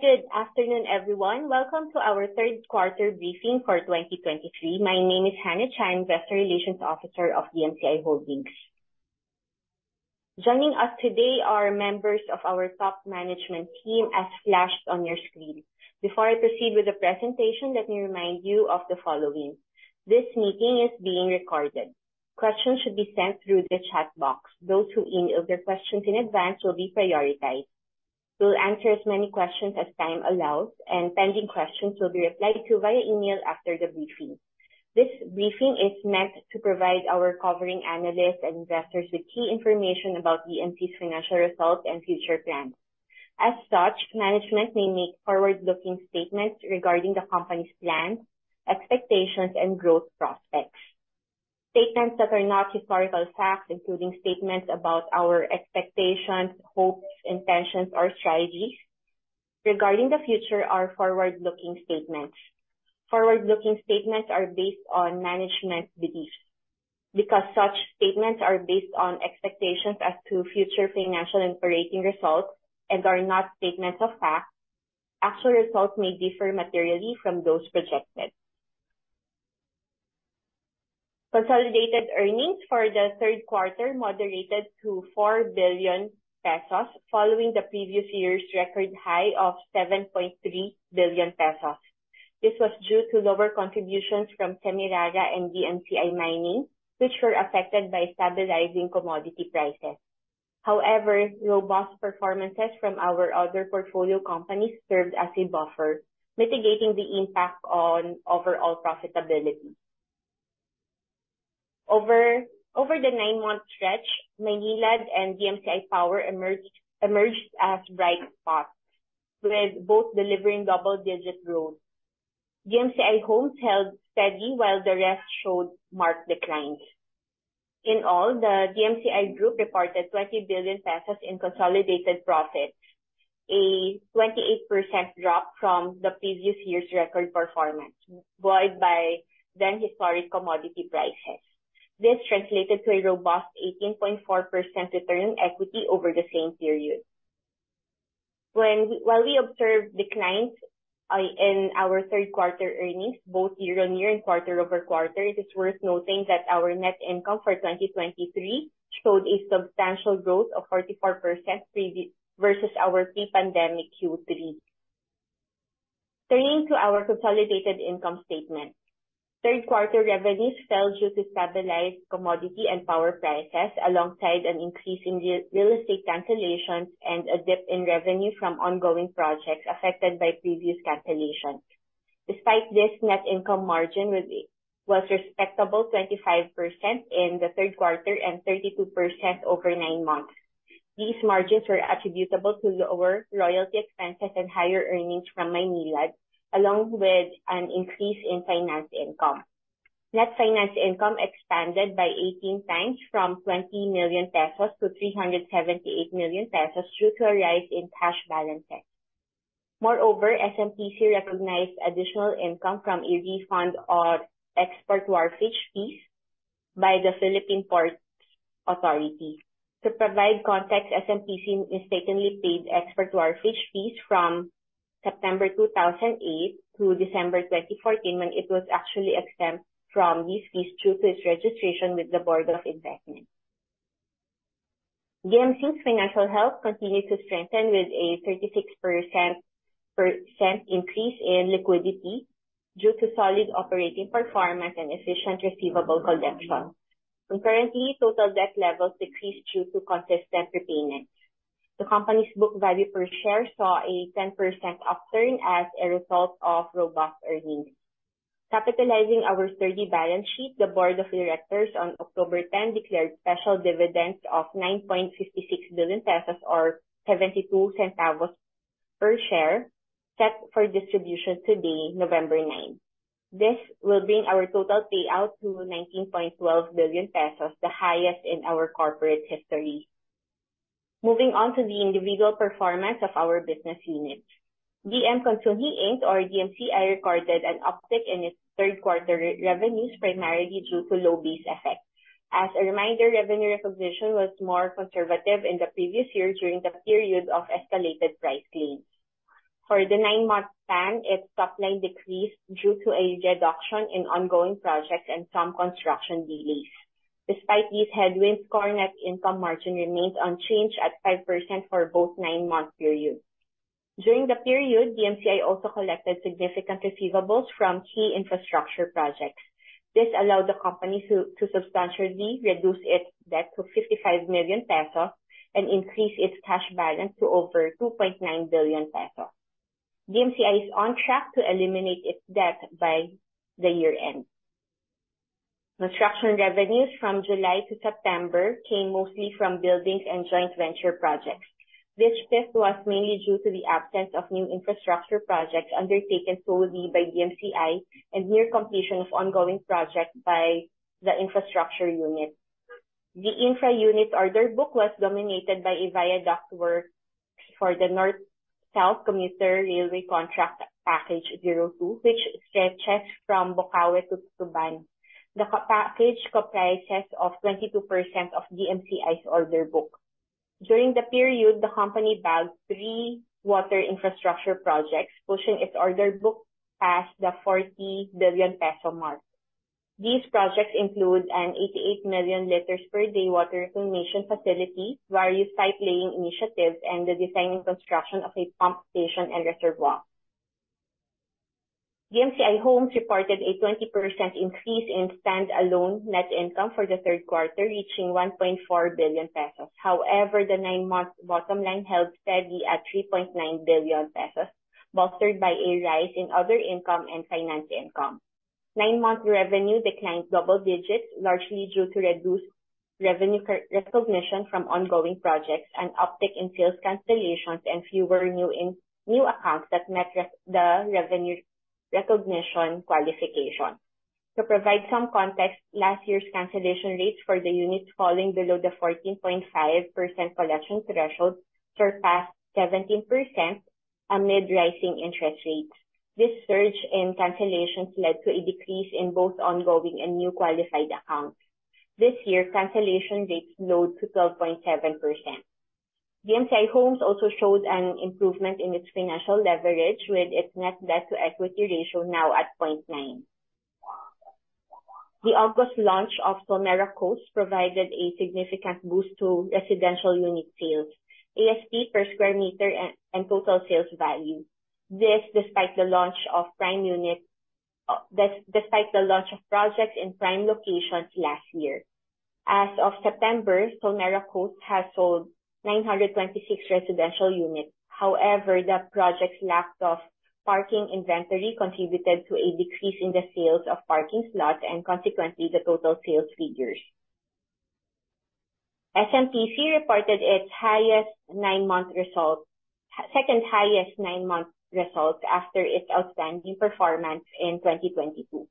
Hi, good afternoon, everyone. Welcome to our Q3 briefing for 2023. My name is Hannah Chai, Investor Relations Officer of DMCI Holdings. Joining us today are members of our top management team as flashed on your screen. Before I proceed with the presentation, let me remind you of the following. This meeting is being recorded. Questions should be sent through the chat box. Those who email their questions in advance will be prioritized. We'll answer as many questions as time allows, and pending questions will be replied to via email after the briefing. This briefing is meant to provide our covering analysts and investors with key information about DMCI's financial results and future plans. As such, management may make forward-looking statements regarding the company's plans, expectations, and growth prospects. Statements that are not historical facts, including statements about our expectations, hopes, intentions, or strategies regarding the future are forward-looking statements. Forward-looking statements are based on management beliefs. Because such statements are based on expectations as to future financial and operating results and are not statements of fact, actual results may differ materially from those projected. Consolidated earnings for the Q3 moderated to 4 billion pesos following the previous year's record high of 7.3 billion pesos. This was due to lower contributions from Semirara and DMCI Mining, which were affected by stabilizing commodity prices. However, robust performances from our other portfolio companies served as a buffer, mitigating the impact on overall profitability. Over the nine-month stretch, Maynilad and DMCI Power emerged as bright spots, with both delivering double-digit growth. DMCI Homes held steady while the rest showed marked declines. In all, the DMCI group reported 20 billion pesos in consolidated profits, a 28% drop from the previous year's record performance, buoyed by then historic commodity prices. This translated to a robust 18.4% return on equity over the same period. While we observed declines in our Q3 earnings, both year-on-year and quarter-over-quarter, it is worth noting that our net income for 2023 showed a substantial growth of 44% versus our pre-pandemic Q3. Turning to our consolidated income statement. Q3 revenues fell due to stabilized commodity and power prices, alongside an increase in real estate cancellations and a dip in revenue from ongoing projects affected by previous cancellations. Despite this, net income margin was respectable 25% in the Q3 and 32% over nine months. These margins were attributable to lower royalty expenses, and higher earnings from Maynilad, along with an increase in finance income. Net finance income expanded by 18 times from 20 million pesos to 378 million pesos due to a rise in cash balances. Moreover, SMPC recognized additional income from a refund on export wharfage fees by the Philippine Ports Authority. To provide context, SMPC mistakenly paid export wharfage fees from September 2008 through December 2014, when it was actually exempt from these fees due to its registration with the Board of Investments. DMCI's financial health continued to strengthen with a 36% increase in liquidity due to solid operating performance and efficient receivable collections. Concurrently, total debt levels decreased due to consistent repayments. The company's book value per share saw a 10% upturn as a result of robust earnings. Capitalizing our sturdy balance sheet, the Board of Directors on October 10 declared special dividends of 9.56 billion pesos or 0.72 per share, set for distribution today, November 9. This will bring our total payout to 19.12 billion pesos, the highest in our corporate history. Moving on to the individual performance of our business units. D.M. Consunji, Inc., or DMCI, recorded an uptick in its Q3 revenues, primarily due to low base effects. As a reminder, revenue recognition was more conservative in the previous year during the period of escalated price gains. For the nine-month span, its top line decreased due to a reduction in ongoing projects, and some construction delays. Despite these headwinds, core net income margin remains unchanged at 5% for both nine-month periods. During the period, DMCI also collected significant receivables from key infrastructure projects. This allowed the company to substantially reduce its debt to 55 million pesos and increase its cash balance to over 2.9 billion pesos. DMCI is on track to eliminate its debt by the year-end. Construction revenues from July to September came mostly from buildings and joint venture projects. This shift was mainly due to the absence of new infrastructure projects undertaken solely by DMCI and near completion of ongoing projects by the infrastructure unit. The infra unit's order book was dominated by a viaduct work for the North-South Commuter Railway Contract Package 02, which stretches from Bocaue to Tutuban. The package comprises of 22% of DMCI's order book. During the period, the company bagged three water infrastructure projects, pushing its order book past the 40 billion peso mark. These projects include an 88 million liters per day water reclamation facility, various pipe-laying initiatives, and the design and construction of a pump station and reservoir. DMCI Homes reported a 20% increase in standalone net income for the Q3, reaching 1.4 billion pesos. However, the nine-month bottom line held steady at 3.9 billion pesos, bolstered by a rise in other income and finance income. Nine-month revenue declined double digits, largely due to reduced revenue re-recognition from ongoing projects, an uptick in sales cancellations, and fewer new, in-new accounts that met the revenue recognition qualification. To provide some context, last year's cancellation rates for the units falling below the 14.5% collection threshold surpassed 17% amid rising interest rates. This surge in cancellations led to a decrease in both ongoing and new qualified accounts. This year, cancellation rates slowed to 12.7%. DMCI Homes also showed an improvement in its financial leverage, with its net debt-to-equity ratio now at 0.9. The August launch of Solmera Coast provided a significant boost to residential unit sales, ASP per square meter, and total sales value. This despite the launch of projects in prime locations last year. As of September, Solmera Coast has sold 926 residential units. However, the project's lack of parking inventory contributed to a decrease in the sales of parking slots and consequently the total sales figures. SMPC reported its second-highest nine-month result after its outstanding performance in 2022.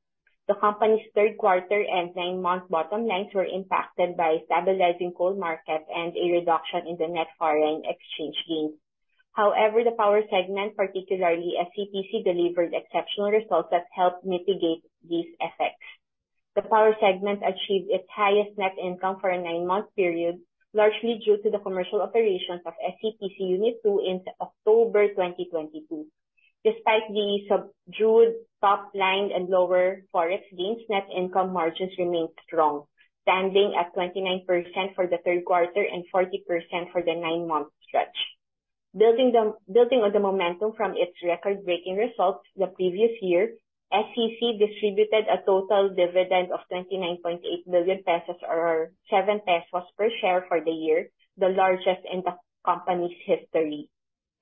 The company's Q3 and nine-month bottom lines were impacted by stabilizing coal markets and a reduction in the net foreign exchange gains. However, the power segment, particularly Sem-Calaca Power Corporation, delivered exceptional results that helped mitigate these effects. The power segment achieved its highest net income for a nine-month period, largely due to the commercial operations of Sem-Calaca Power Corporation Unit Two in October 2022. Despite the subdued top line and lower Forex gains, net income margins remained strong, standing at 29% for the Q3 and 40% for the nine-month stretch. Building on the momentum from its record-breaking results the previous year, Semirara Mining and Power Corporation distributed a total dividend of 29.8 billion pesos or 7 pesos per share for the year, the largest in the company's history.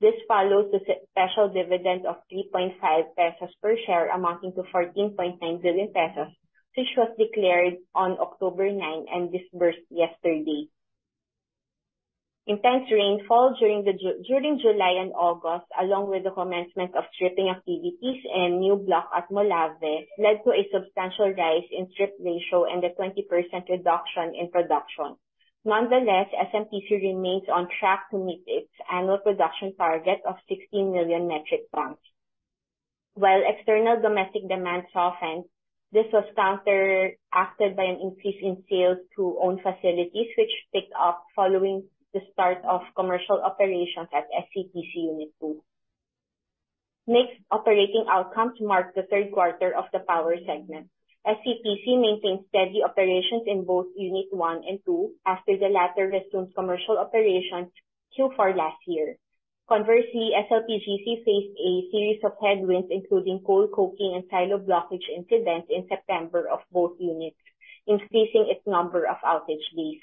This follows a special dividend of 3.5 pesos per share, amounting to 14.9 billion pesos, which was declared on October 9 and disbursed yesterday. Intense rainfall during July and August, along with the commencement of stripping activities in new block at Molave, led to a substantial rise in strip ratio and a 20% reduction in production. Nonetheless, SMPC remains on track to meet its annual production target of 16 million metric tons. While external domestic demand softened, this was counteracted by an increase in sales to owned facilities, which picked up following the start of commercial operations at SETC Unit Two. Mixed operating outcomes marked the Q3 of the power segment. SETC maintained steady operations in both Unit One and Two after the latter resumed commercial operations Q4 last year. Conversely, SLPGC faced a series of headwinds, including coal coking and silo blockage incidents in September of both units, increasing its number of outage days.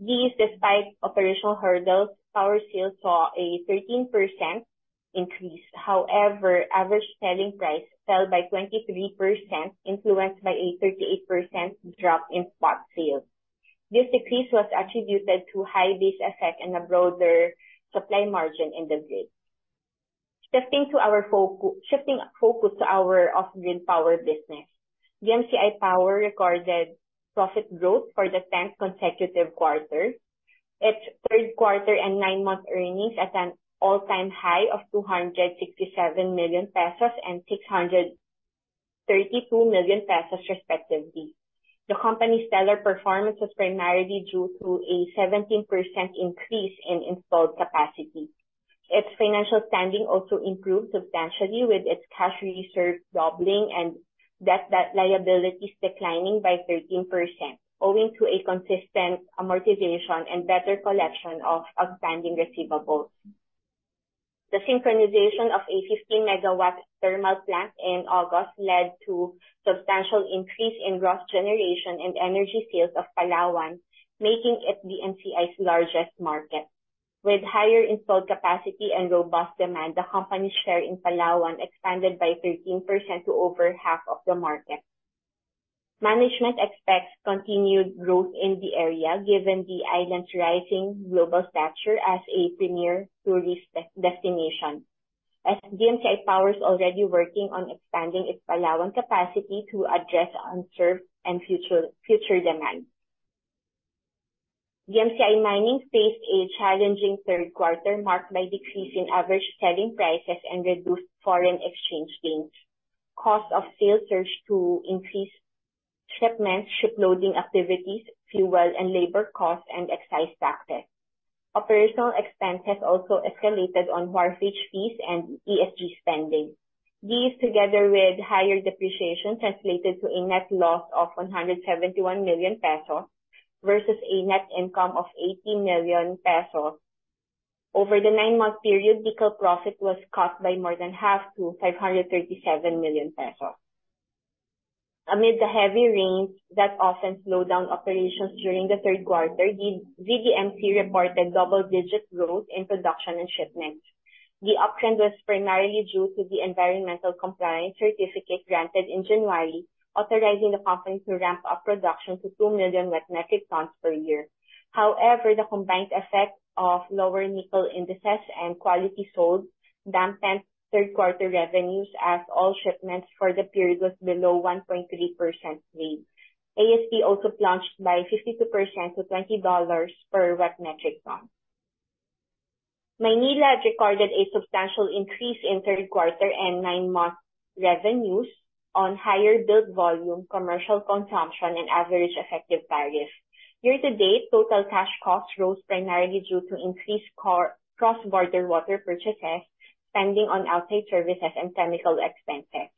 This, despite operational hurdles, power sales saw a 13% increase. However, average selling price fell by 23%, influenced by a 38% drop in spot sales. This decrease was attributed to high base effect and a broader supply margin in the grid. Shifting focus to our off-grid power business. DMCI Power recorded profit growth for the 10th consecutive quarter. Its Q3 and 9-month earnings at an all-time high of 267 million pesos and 632 million pesos respectively. The company's stellar performance was primarily due to a 17% increase in installed capacity. Its financial standing also improved substantially, with its cash reserves doubling and debt, net liabilities declining by 13%, owing to a consistent amortization and better collection of outstanding receivables. The synchronization of a 15 MW thermal plant in August led to substantial increase in gross generation and energy sales of Palawan, making it DMCI's largest market. With higher installed capacity and robust demand, the company's share in Palawan expanded by 13% to over half of the market. Management expects continued growth in the area given the island's rising global stature as a premier tourist destination. As DMCI Power is already working on expanding its Palawan capacity to address unserved and future demand. DMCI Mining faced a challenging Q3 marked by decrease in average selling prices and reduced foreign exchange gains. Cost of sales surged to increased shipments, shiploading activities, fuel and labor costs, and excise taxes. Operational expenses also escalated on wharfage fees and ESG spending. These, together with higher depreciation, translated to a net loss of 171 million pesos versus a net income of 80 million pesos. Over the nine-month period, nickel profit was cut by more than half to 537 million pesos. Amid the heavy rains that often slow down operations during the Q3, VDMC reported double-digit growth in production and shipments. The uptrend was primarily due to the environmental compliance certificate granted in January, authorizing the company to ramp up production to 2 million wet metric tons per year. However, the combined effect of lower nickel indices and quality sold dampened Q3 revenues as all shipments for the period was below 1.3% grade. ASP also plunged by 52% to $20 per wet metric ton. Maynilad recorded a substantial increase in Q3 and nine-month revenues on higher billed volume, commercial consumption, and average effective tariffs. Year-to-date, total cash costs rose primarily due to increased cross-border water purchases, spending on outside services, and chemical expenses.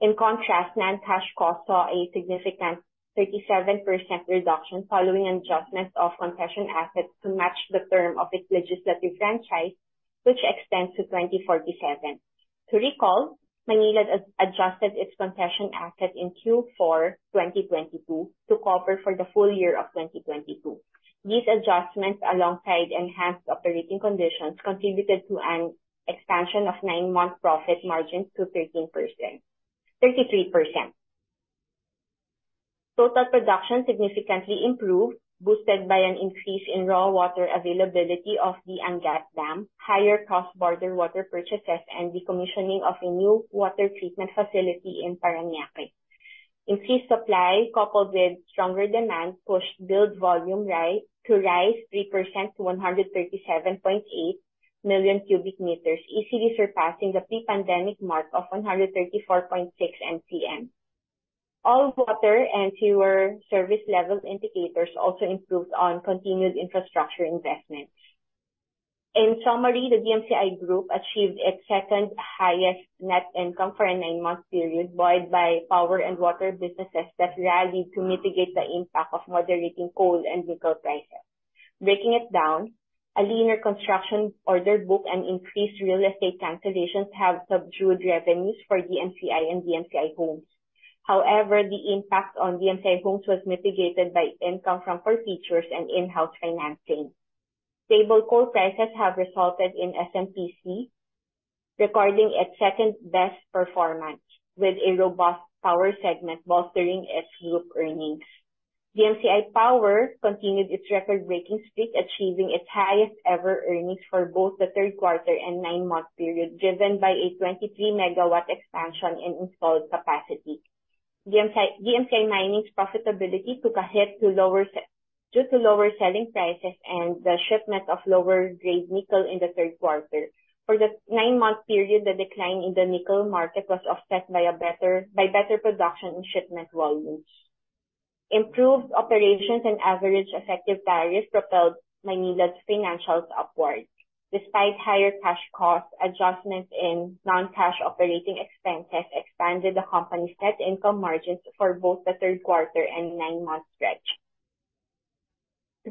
In contrast, non-cash costs saw a significant 37% reduction following an adjustment of concession assets to match the term of its legislative franchise which extends to 2047. To recall, Maynilad as adjusted its concession asset in Q4 2022 to cover for the full year of 2022. These adjustments, alongside enhanced operating conditions, contributed to an expansion of 9-month profit margins to 13%-33%. Total production significantly improved, boosted by an increase in raw water availability of the Angat Dam, higher cross-border water purchases, and commissioning of a new water treatment facility in Parañaque. Increased supply coupled with stronger demand pushed billed volume to rise 3% to 137.8 million cubic meters, easily surpassing the pre-pandemic mark of 134.6 MCM. All water and sewer service level indicators also improved on continued infrastructure investments. In summary, the DMCI group achieved its second-highest net income for a nine-month period, buoyed by power and water businesses that rallied to mitigate the impact of moderating coal and nickel prices. Breaking it down, a leaner construction order book and increased real estate cancellations have subdued revenues for DMCI and DMCI Homes. However, the impact on DMCI Homes was mitigated by income from forfeitures and in-house financing. Stable coal prices have resulted in SMPC recording its second-best performance, with a robust power segment bolstering its group earnings. DMCI Power continued its record-breaking streak, achieving its highest-ever earnings for both the Q3 and nine-month period, driven by a 23 MW expansion in installed capacity. DMCI Mining's profitability took a hit due to lower selling prices and the shipment of lower grade nickel in the Q3. For the nine-month period, the decline in the nickel market was offset by better production, and shipment volumes. Improved operations and average effective tariffs propelled Maynilad's financials upward. Despite higher cash costs, adjustments in non-cash operating expenses expanded the company's net income margins for both the Q3 and nine-month stretch.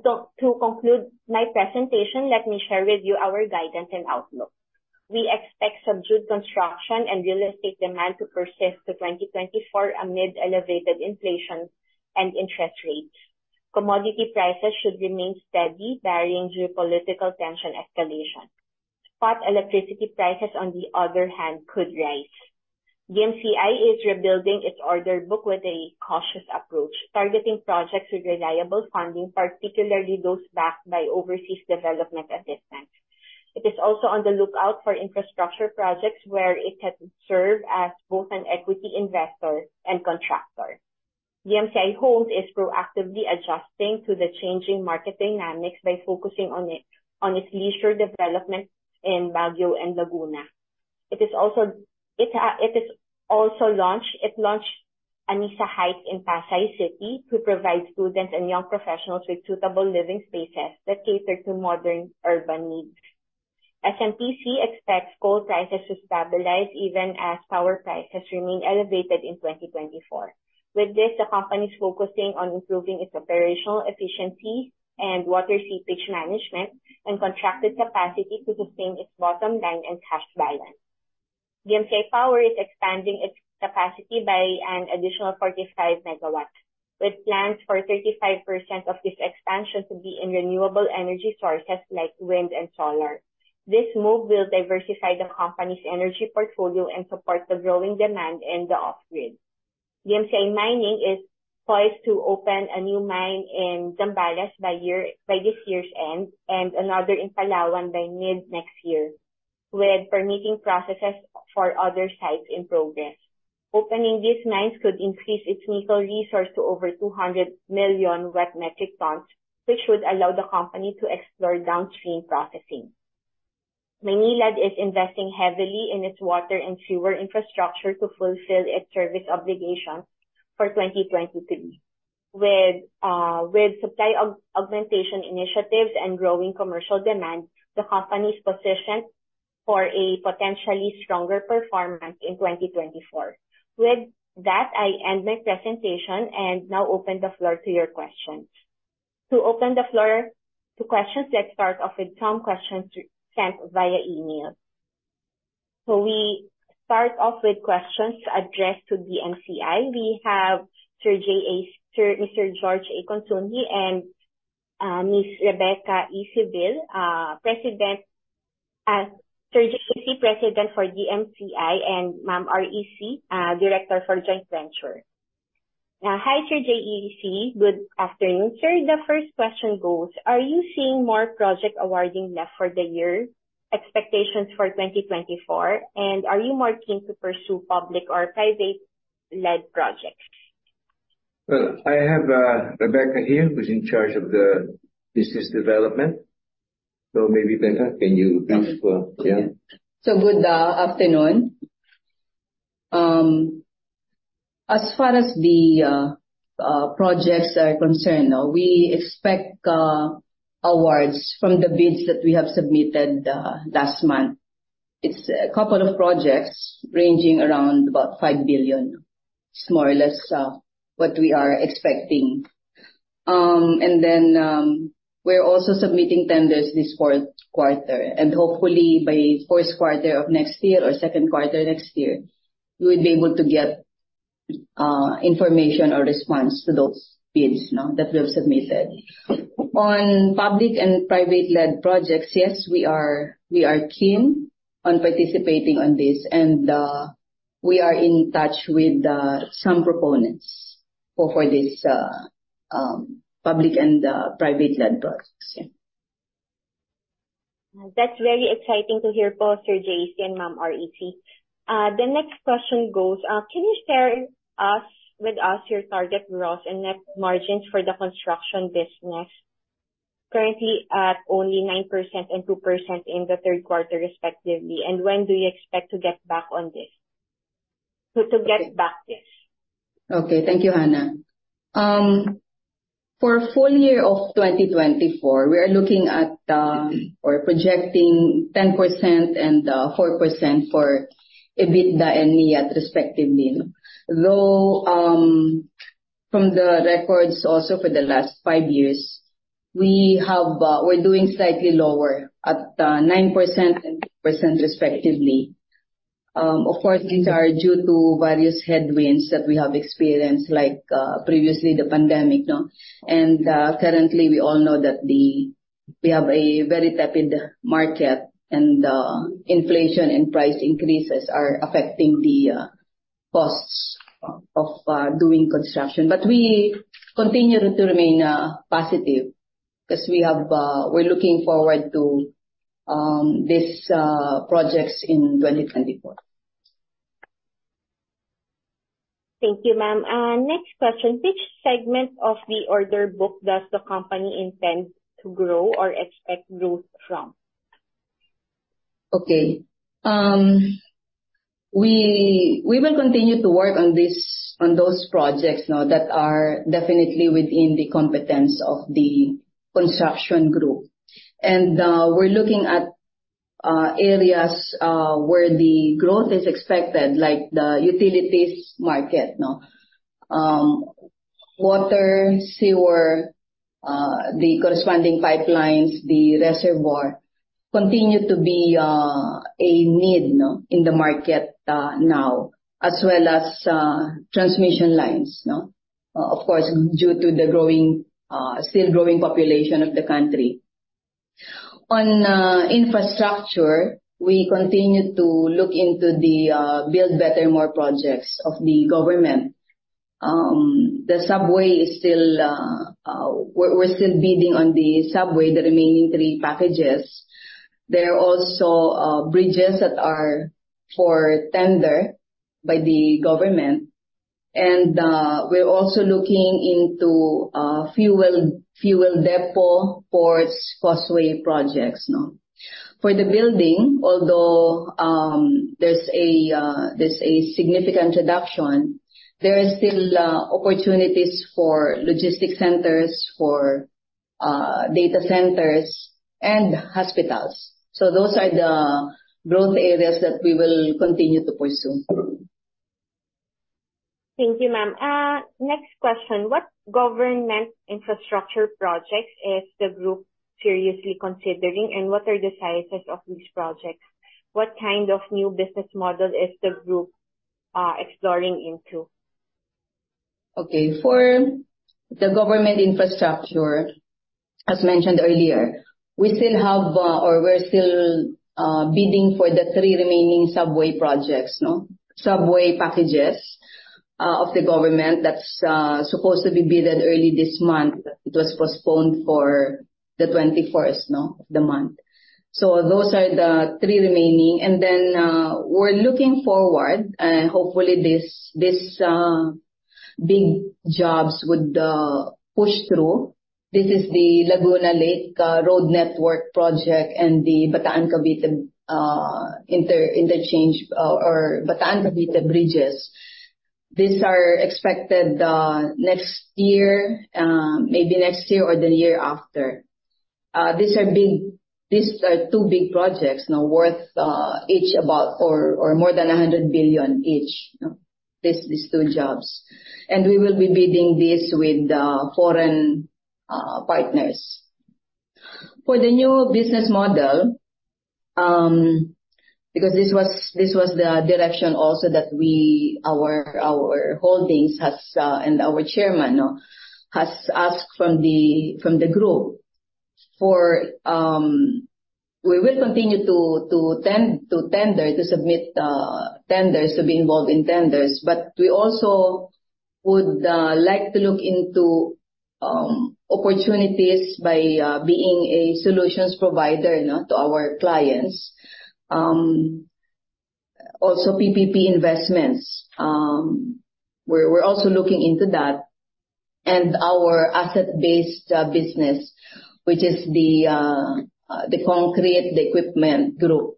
To conclude my presentation, let me share with you our guidance and outlook. We expect subdued construction and real estate demand to persist to 2024 amid elevated inflation, and interest rates. Commodity prices should remain steady, barring geopolitical tension escalation. Spot electricity prices, on the other hand, could rise. DMCI is rebuilding its order book with a cautious approach, targeting projects with reliable funding, particularly those backed by overseas development assistance. It is also on the lookout for infrastructure projects where it can serve as both an equity investor and contractor. DMCI Homes is proactively adjusting to the changing market dynamics by focusing on its leisure development in Baguio and Laguna. It launched Anisa Heights in Pasay City to provide students and young professionals with suitable living spaces that cater to modern urban needs. SMPC expects coal prices to stabilize even as power prices remain elevated in 2024. With this, the company is focusing on improving its operational efficiency and water seepage management and contracted capacity to sustain its bottom line, and cash balance. DMCI Power is expanding its capacity by an additional 45 MW, with plans for 35% of this expansion to be in renewable energy sources like wind and solar. This move will diversify the company's energy portfolio and support the growing demand in the off-grid. DMCI Mining is poised to open a new mine in Zambales by this year's end and another in Palawan by mid-next year, with permitting processes for other sites in progress. Opening these mines could increase its nickel resource to over 200 million wet metric tons, which would allow the company to explore downstream processing. Maynilad is investing heavily in its water, and sewer infrastructure to fulfill its service obligations for 2023. With supply augmentation initiatives and growing commercial demand, the company is positioned for a potentially stronger performance in 2024. With that, I end my presentation and now open the floor to your questions. To open the floor to questions, let's start off with some questions sent via email. We start off with questions addressed to DMCI. We have Sir J.A., Mr. Jorge A. Consunji and Ms. Rebecca Isabel, Sir JAC, President for DMCI, and Ma'am REC, Director for joint venture. Hi, Sir JAC. Good afternoon, sir. The first question goes: Are you seeing more project awarding left for the year, expectations for 2024? And are you more keen to pursue public or private led projects? Well, I have Rebecca here, who's in charge of the business development. Maybe Becca, can you please, yeah. Good afternoon. As far as the projects are concerned, we expect awards from the bids that we have submitted last month. It's a couple of projects ranging around about 5 billion. It's more or less what we are expecting. We're also submitting tenders this Q4, and hopefully by Q1 of next year or Q2 next year we will be able to get information or response to those bids, you know, that we have submitted. On public and private led projects, yes, we are keen on participating on this and we are in touch with some proponents for this public and private led projects. Yeah. That's very exciting to hear both Sir JAC and Ma'am REC. The next question goes, can you share with us your target growth and net margins for the construction business currently at only 9% and 2% in the Q3 respectively, and when do you expect to get back on this. Okay. Thank you, Hannah. For full year of 2024, we are looking at or projecting 10% and 4% for EBITDA and NIAT respectively. Though from the records also for the last five years, we're doing slightly lower at 9% and 2% respectively. Of course these are due to various headwinds that we have experienced like previously the pandemic, no? And currently we all know that we have a very tepid market, and inflation and price increases are affecting the costs of doing construction. We continue to remain positive because we're looking forward to these projects in 2024. Thank you, ma'am. Next question. Which segment of the order book does the company intend to grow or expect growth from? Okay. We will continue to work on those projects now that are definitely within the competence of the construction group. We're looking at areas where the growth is expected, like the utilities market, no? Water, sewer, the corresponding pipelines, the reservoir continue to be a need, no, in the market, now, as well as transmission lines, no? Of course, due to the still growing population of the country. On infrastructure, we continue to look into the Build, Better, More projects of the government. We're still bidding on the subway, the remaining three packages. There are also bridges that are for tender by the government. We're also looking into fuel depot ports causeway projects, no? For the building, although there's a significant reduction, there are still opportunities for logistics centers, for data centers and hospitals. Those are the growth areas that we will continue to pursue. Thank you, ma'am. Next question. What government infrastructure projects is the group seriously considering, and what are the sizes of these projects? What kind of new business model is the group exploring into? Okay. For the government infrastructure, as mentioned earlier, we're still bidding for the three remaining subway projects, no? Subway packages of the government that's supposed to be bidded early this month. It was postponed to the 21st of the month. Those are the three remaining. Then, we're looking forward, hopefully these big jobs would push through. This is the Laguna Lake Road Network project and the Bataan-Cavite interchange or Bataan-Cavite bridges. These are expected next year, maybe next year or the year after. These are two big projects, no, worth each about 40 or more than 100 billion each, these two jobs. We will be bidding this with foreign partners. For the new business model, because this was the direction also that our Holdings has, and our chairman has asked from the group for. We will continue to tender, to submit tenders, to be involved in tenders, but we also would like to look into opportunities by being a solutions provider, you know, to our clients. Also PPP investments, we're also looking into that. Our asset-based business, which is the concrete, the equipment group.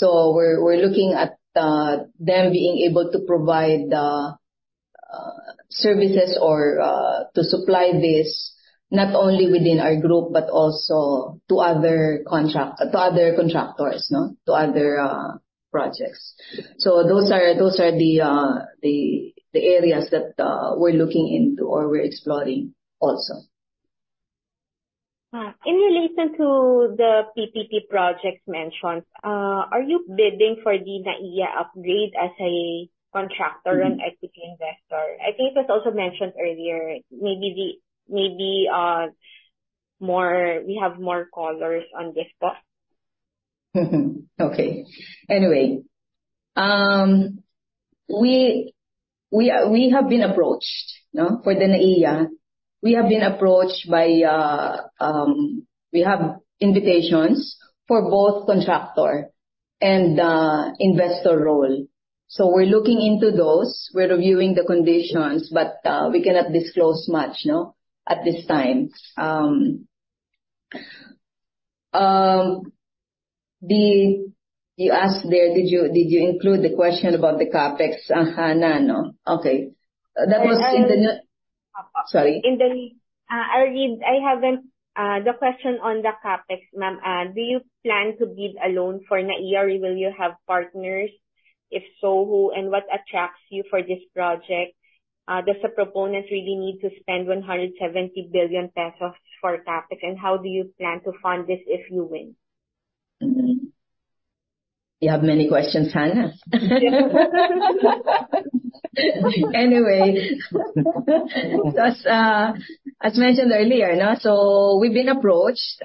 We're looking at them being able to provide services or to supply this not only within our group, but also to other contractors, to other projects. Those are the areas that we're looking into or we're exploring also. In relation to the PPP projects mentioned, are you bidding for the NAIA upgrade as a contractor and equity investor? I think it was also mentioned earlier, maybe more—we have more callers on this, po. Okay. Anyway, we have been approached? No, for the NAIA. We have invitations for both contractor and investor role. We're looking into those. We're reviewing the conditions, but we cannot disclose much, no, at this time. You asked there, did you include the question about the CapEx? Hannah, no? Okay. That was in the n- I- Sorry. I have them. The question on the CapEx, ma'am. Do you plan to bid alone for NAIA or will you have partners? If so, who and what attracts you for this project? Does the proponents really need to spend 170 billion pesos for CapEx, and how do you plan to fund this if you win? You have many questions, Hannah. Anyway, as mentioned earlier, we've been approached.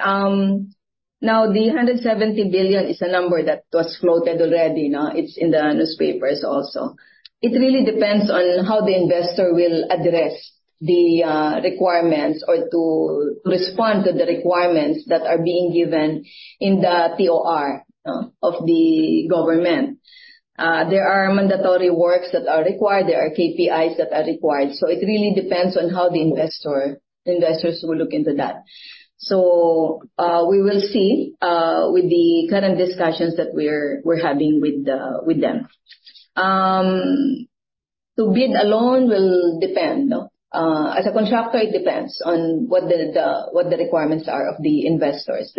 Now the 170 billion is a number that was floated already. It's in the newspapers also. It really depends on how the investor will address the requirements or to respond to the requirements that are being given in the TOR of the government. There are mandatory works that are required. There are KPIs that are required. It really depends on how the investors will look into that. We will see with the current discussions that we're having with them. To bid alone will depend. As a contractor, it depends on what the requirements are of the investors.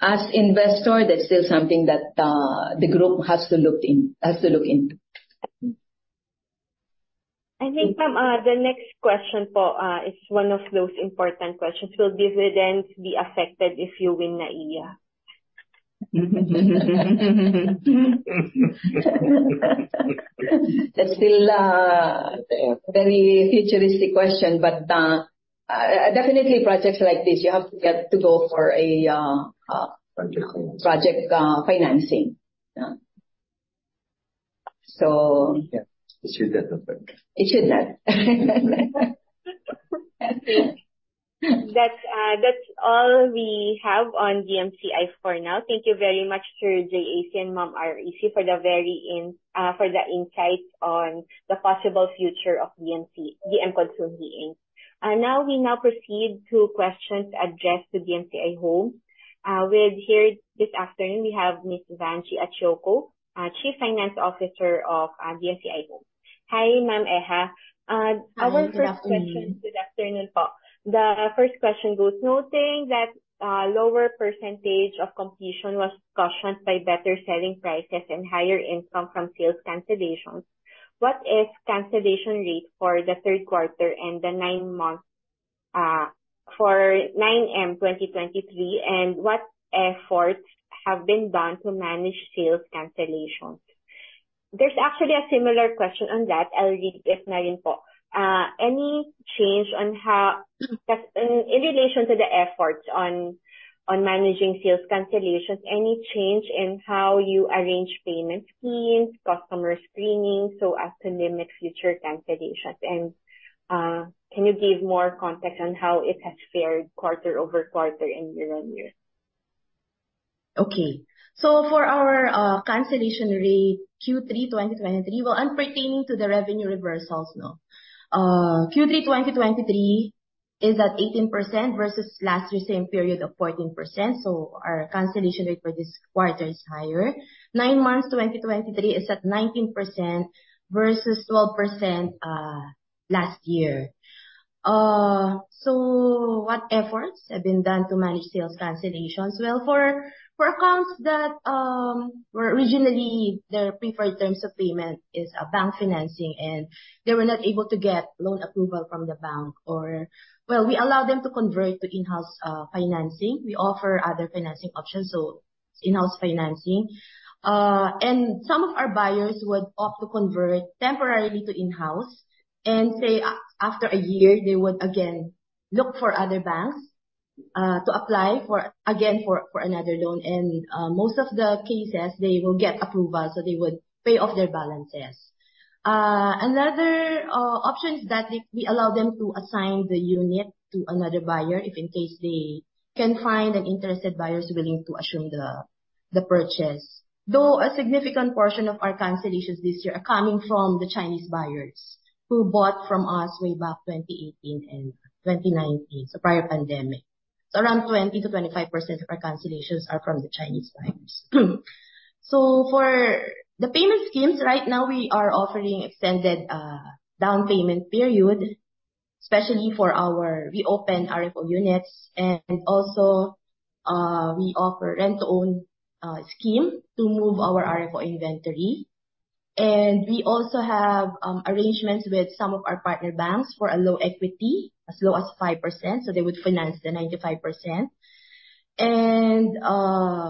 As investor, that's still something that the group has to look into. I think, ma'am, the next question po, is one of those important questions. Will dividends be affected if you win NAIA? That's still a very futuristic question, but definitely projects like this, you have to go for project financing. Yeah. It should not affect us. That's all we have on DMCI for now. Thank you very much to Jay Asia and Ma'am REC for the insights on the possible future of D.M. Consunji, Inc. Now we proceed to questions addressed to DMCI Homes. With us here this afternoon, we have Miss Vanji Achoco, Chief Finance Officer of DMCI Homes. Hi, Ma'am Eha. Hi, good afternoon. Good afternoon po. The first question goes, noting that lower percentage of completion was offset by better selling prices, and higher income from sales cancellations, what is the cancellation rate for the Q3 and the nine months for 9M 2023, and what efforts have been done to manage sales cancellations? There's actually a similar question on that. I'll read this na rin po. In relation to the efforts on managing sales cancellations, any change in how you arrange payment schemes, customer screening, so as to limit future cancellations? And can you give more context on how it has fared quarter-over-quarter and year-on-year? For our cancellation rate, Q3 2023 is at 18% versus last year's same period of 14%, so our cancellation rate for this quarter is higher. Nine months 2023 is at 19% versus 12% last year. What efforts have been done to manage sales cancellations? Well, for accounts that were originally their preferred terms of payment is bank financing, and they were not able to get loan approval from the bank. We allow them to convert to in-house financing. We offer other financing options, so in-house financing. Some of our buyers would opt to convert temporarily to in-house and, say, after a year, they would again look for other banks to apply for another loan. Most of the cases, they will get approval, so they would pay off their balances. Another option is that we allow them to assign the unit to another buyer if in case they can find an interested buyer who's willing to assume the purchase. Though a significant portion of our cancellations this year are coming from the Chinese buyers who bought from us way back 2018 and 2019, so prior pandemic. Around 20%-25% of our cancellations are from the Chinese buyers. For the payment schemes, right now we are offering extended down payment period, especially for our reopened RFO units, and also, we offer rent-to-own scheme to move our RFO inventory. We also have arrangements with some of our partner banks for a low equity, as low as 5%, so they would finance the 95% and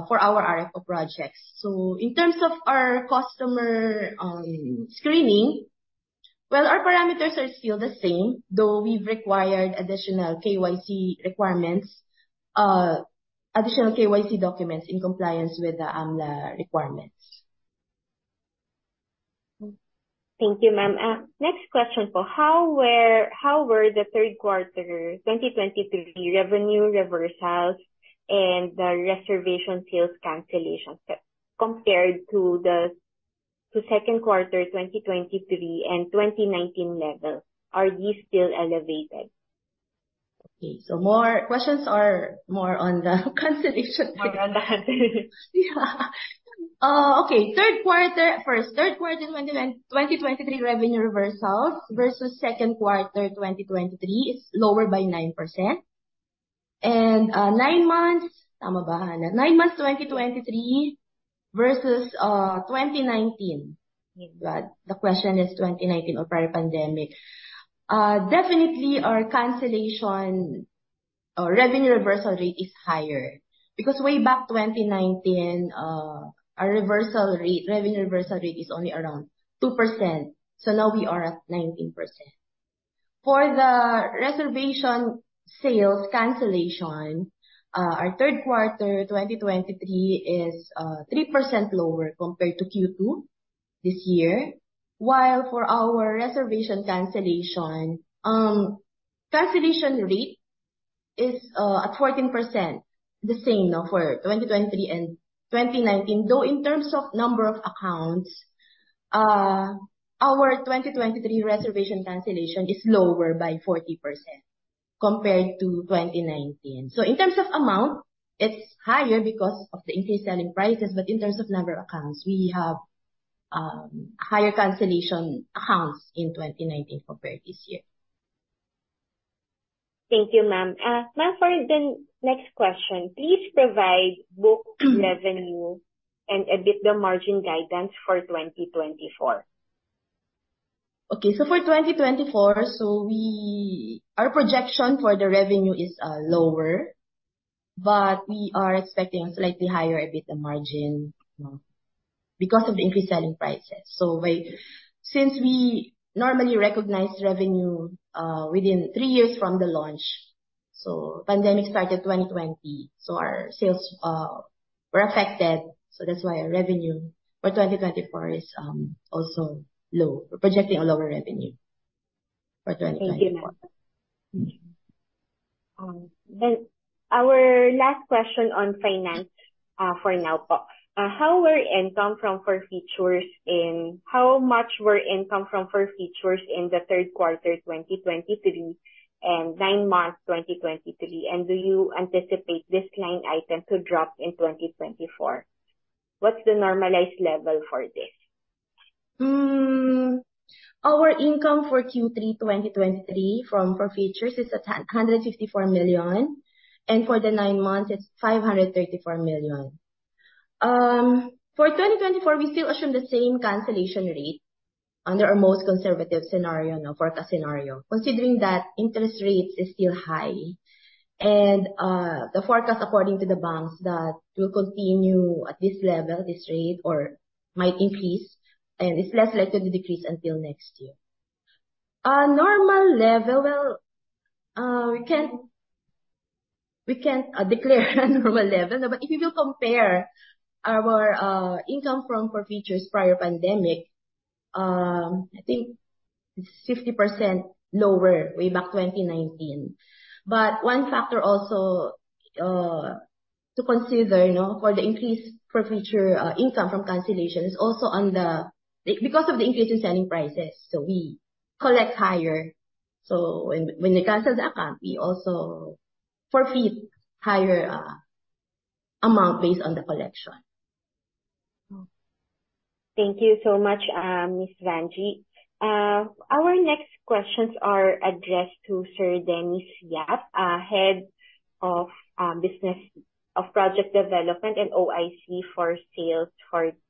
for our RFO projects. In terms of our customer screening, well, our parameters are still the same, though we've required additional KYC requirements, additional KYC documents in compliance with the AMLA requirements. Thank you, ma'am. Next question po. How were the Q3 2023 revenue reversals and the reservation sales cancellations compared to the Q2 2023 and 2019 level? Are these still elevated? Okay. More questions are more on the cancellation. More on the cancellation. Yeah. Okay. Q3 2023 revenue reversals versus Q2 2023 is lower by 9%. Nine months, tama ba, Hannah? Nine months 2023 versus 2019. The question is 2019 or prior pandemic. Definitely our cancellation or revenue reversal rate is higher because way back 2019, our reversal rate, revenue reversal rate is only around 2%. Now we are at 19%. For the reservation sales cancellation, our Q3 2023 is 3% lower compared to Q2 this year, while for our reservation cancellation rate is at 14%, the same na for 2020 and 2019. Though in terms of number of accounts, our 2023 reservation cancellation is lower by 40% compared to 2019. In terms of amount, it's higher because of the increased selling prices, but in terms of number of accounts, we have higher cancellation accounts in 2019 compared this year. Thank you, ma'am. Ma'am, for the next question, please provide book revenue and EBITDA margin guidance for 2024? For 2024, our projection for the revenue is lower, but we are expecting a slightly higher EBITDA margin now because of the increased selling prices. Since we normally recognize revenue within 3 years from the launch, pandemic started 2020, so our sales were affected, so that's why our revenue for 2024 is also low. We're projecting a lower revenue for 2024. Thank you, ma'am. Mm-hmm. Our last question on finance, for now. How much were income from forfeitures in the Q3 2023 and nine months 2023, and do you anticipate this line item to drop in 2024? What's the normalized level for this? Our income for Q3 2023 from forfeitures is at 154 million, and for the nine months it's 534 million. For 2024, we still assume the same cancellation rate under our most conservative scenario na, forecast scenario. Considering that interest rates is still high and, the forecast according to the banks that will continue at this level, this rate, or might increase, and it's less likely to decrease until next year. A normal level, well, we can't declare a normal level. If you compare our income from forfeitures prior pandemic- I think 50% lower way back 2019. One factor also to consider, you know, for the increased forfeiture income from cancellation is also because of the increase in selling prices. We collect higher. When they cancel the account, we also forfeit higher amount based on the collection. Thank you so much, Miss Vangie. Our next questions are addressed to Sir Dennis Yap, Head of Business and Project Development and OIC for sales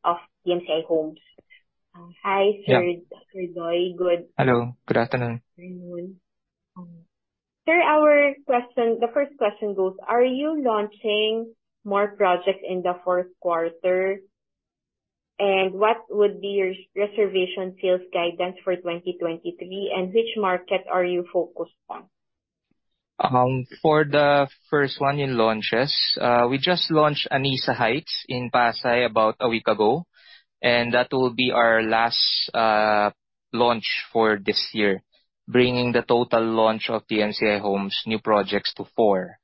of DMCI Homes. Hi, sir. Yeah. Sir Doy. Hello. Good afternoon. Afternoon. Sir, our question, the first question goes: Are you launching more projects in the Q4? And what would be your reservation sales guidance for 2023, and which market are you focused on? For the first one in launches, we just launched Anisa Heights in Pasay about a week ago, and that will be our last launch for this year, bringing the total launch of DMCI Homes new projects to four.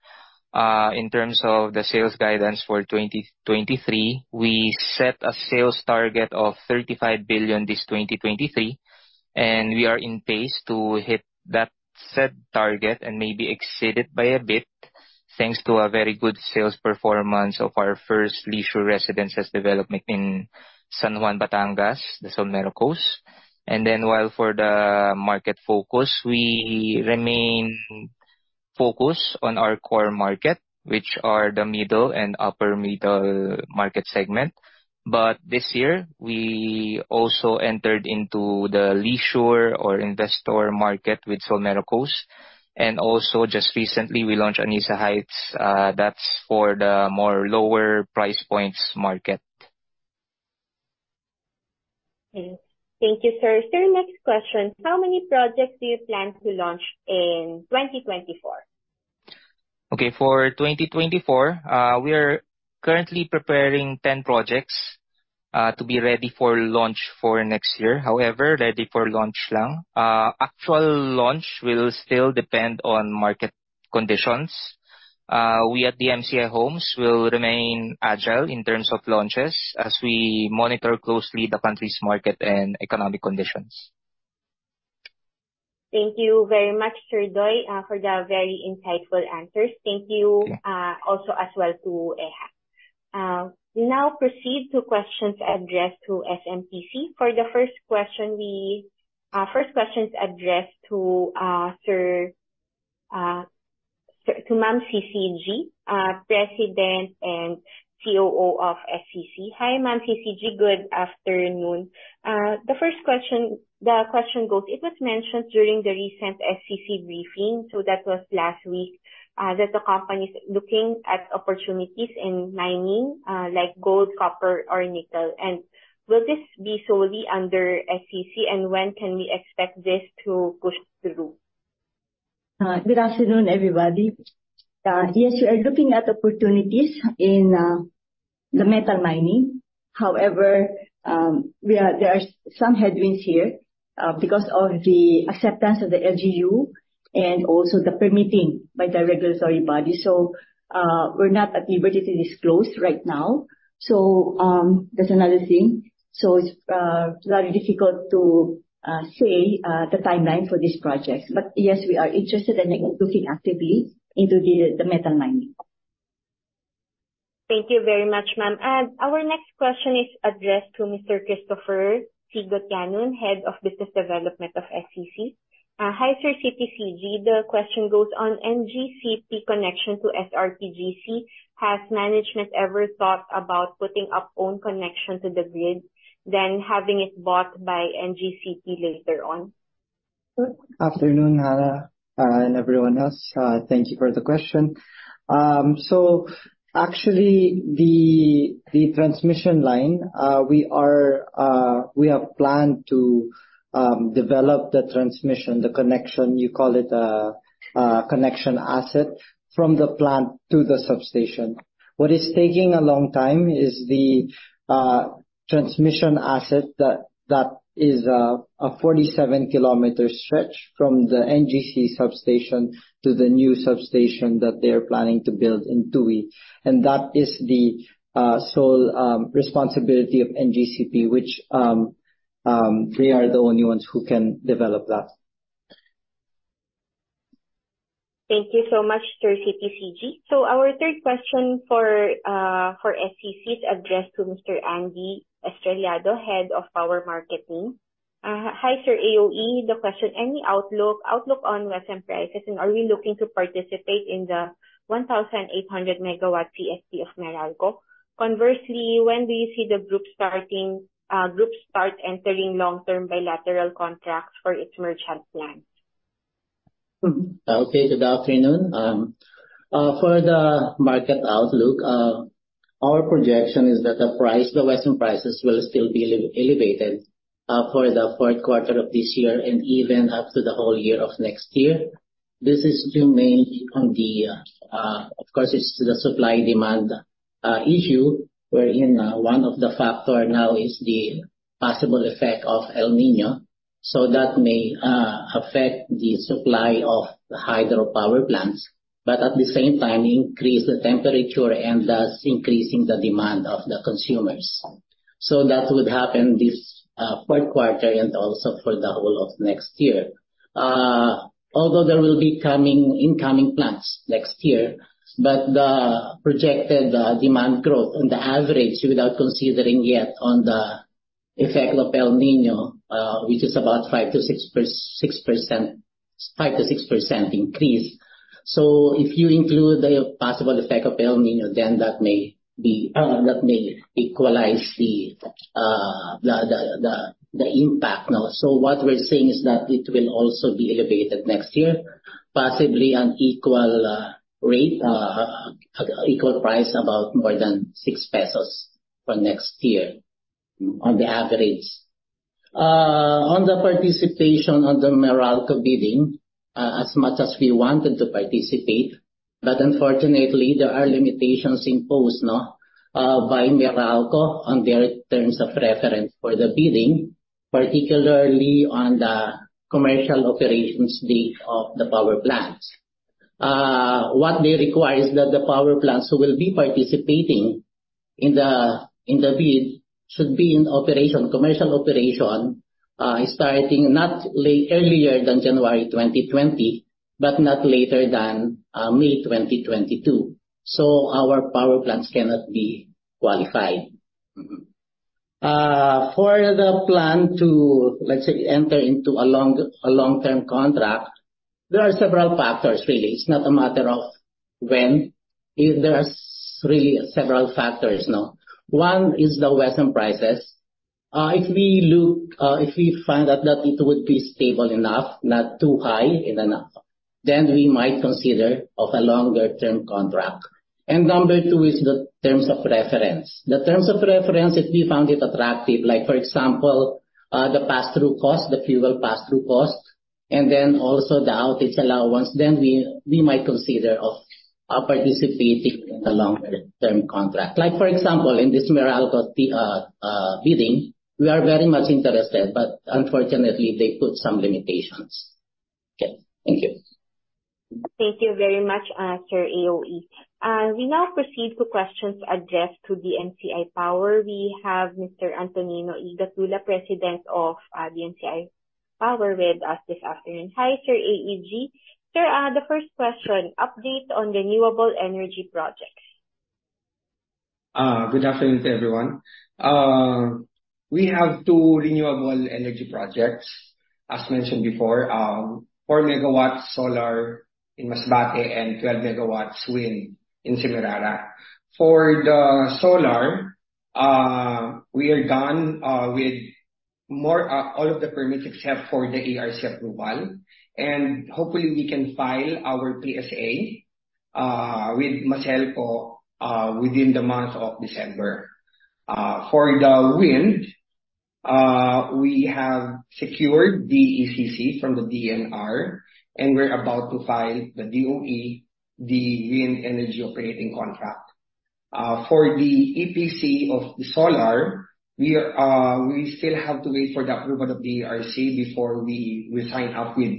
In terms of the sales guidance for 2023, we set a sales target of 35 billion this 2023, and we are in pace to hit that set target and maybe exceed it by a bit, thanks to a very good sales performance of our first leisure residences development in San Juan, Batangas, the Solmera Coast. While for the market focus, we remain focused on our core market, which are the middle and upper middle market segment. This year we also entered into the leisure or investor market with Solmera Coast. Also just recently we launched Anisa Heights. That's for the more lower price points market. Okay. Thank you, sir. Sir, next question. How many projects do you plan to launch in 2024? Okay. For 2024, we are currently preparing 10 projects to be ready for launch for next year. However, ready for launch lang. Actual launch will still depend on market conditions. We at DMCI Homes will remain agile in terms of launches as we monitor closely the country's market and economic conditions. Thank you very much, Sir Doy, for the very insightful answers. Thank you. Yeah. Also as well to Eha. We now proceed to questions addressed to SMPC. For the first question, first question is addressed to Ma'am CCG, President and COO of SCC. Hi, Ma'am CCG. Good afternoon. The first question, the question goes. It was mentioned during the recent SCC briefing, so that was last week, that the company is looking at opportunities in mining, like gold, copper, or nickel. Will this be solely under SCC, and when can we expect this to push through? Good afternoon, everybody. Yes, we are looking at opportunities in the metal mining. However, there are some headwinds here because of the acceptance of the LGU and also the permitting by the regulatory body. We're not at liberty to disclose right now. That's another thing. It's very difficult to say the timeline for these projects. Yes, we are interested and looking actively into the metal mining. Thank you very much, ma'am. Our next question is addressed to Mr. Christopher Gotianun, Head of Business Development of SCC. Hi, Sir Christopher Gotianun. The question goes: On NGCP connection to SRPGC, has management ever thought about putting up own connection to the grid, then having it bought by NGCP later on? Good afternoon, Hannah, and everyone else. Thank you for the question. So actually the transmission line, we have planned to develop the transmission connection you call it a connection asset from the plant to the substation. What is taking a long time is the transmission asset that is a 47-kilometer stretch from the NGCP substation to the new substation that they're planning to build in Tawi. That is the sole responsibility of NGCP, which they are the only ones who can develop that. Thank you so much, Sir CTCG. Our third question for SCC is addressed to Mr Andreo O. Estrellado, Head of Power Marketing. Hi, Sir AOE. The question: Any outlook on WESM prices, and are we looking to participate in the 1,800 megawatt PSP of Meralco? Conversely, when do you see the group start entering long-term bilateral contracts for its merchant plants? Good afternoon. For the market outlook, our projection is that the price, the WESM prices will still be elevated for the Q4 of this year and even up to the whole year of next year. This is still mainly on the, of course, it's the supply-demand issue, wherein one of the factor now is the possible effect of El Niño. That may affect the supply of hydropower plants, but at the same time increase the temperature, and thus increasing the demand of the consumers. That would happen this Q4 and also for the whole of next year. Although there will be incoming plants next year, but the projected demand growth on the average without considering yet on the effect of El Niño, which is about 5%-6% increase. If you include the possible effect of El Niño, then that may equalize the impact, no. What we're saying is that it will also be elevated next year, possibly an equal rate equal price about more than 6 pesos for next year on the average. On the participation on the Meralco bidding, as much as we wanted to participate, but unfortunately, there are limitations imposed by Meralco on their terms of reference for the bidding, particularly on the commercial operations date of the power plants. What they require is that the power plants who will be participating in the bid should be in operation, commercial operation, starting earlier than January 2020, but not later than May 2022. Our power plants cannot be qualified. For the plan to, let's say, enter into a long-term contract, there are several factors really. It's not a matter of when. There are really several factors, no. One is the WESM prices. If we look, if we find out that it would be stable enough, not too high, then we might consider of a longer-term contract. Number two is the terms of reference. The terms of reference, if we found it attractive, like for example, the pass-through cost, the fuel pass-through cost, and then also the outage allowance, then we might consider of participating in a longer-term contract. Like for example, in this Meralco bidding, we are very much interested, but unfortunately, they put some limitations. Okay. Thank you. Thank you very much, Sir AOE. We now proceed to questions addressed to DMCI Power. We have Mr. Antonino E. Gatdula, Jr., President of DMCI Power with us this afternoon. Hi, Sir AEG. Sir, the first question: Update on renewable energy projects. Good afternoon to everyone. We have two renewable energy projects. As mentioned before, 4 MW solar in Masbate and 12 MW wind in Semirara. For the solar, we are done with all of the permits except for the ERC approval, and hopefully we can file our PSA with Maselco within the month of December. For the wind, we have secured the ECC from the DENR, and we're about to file the DOE, the wind energy operating contract. For the EPC of the solar, we still have to wait for the approval of the ERC before we sign up with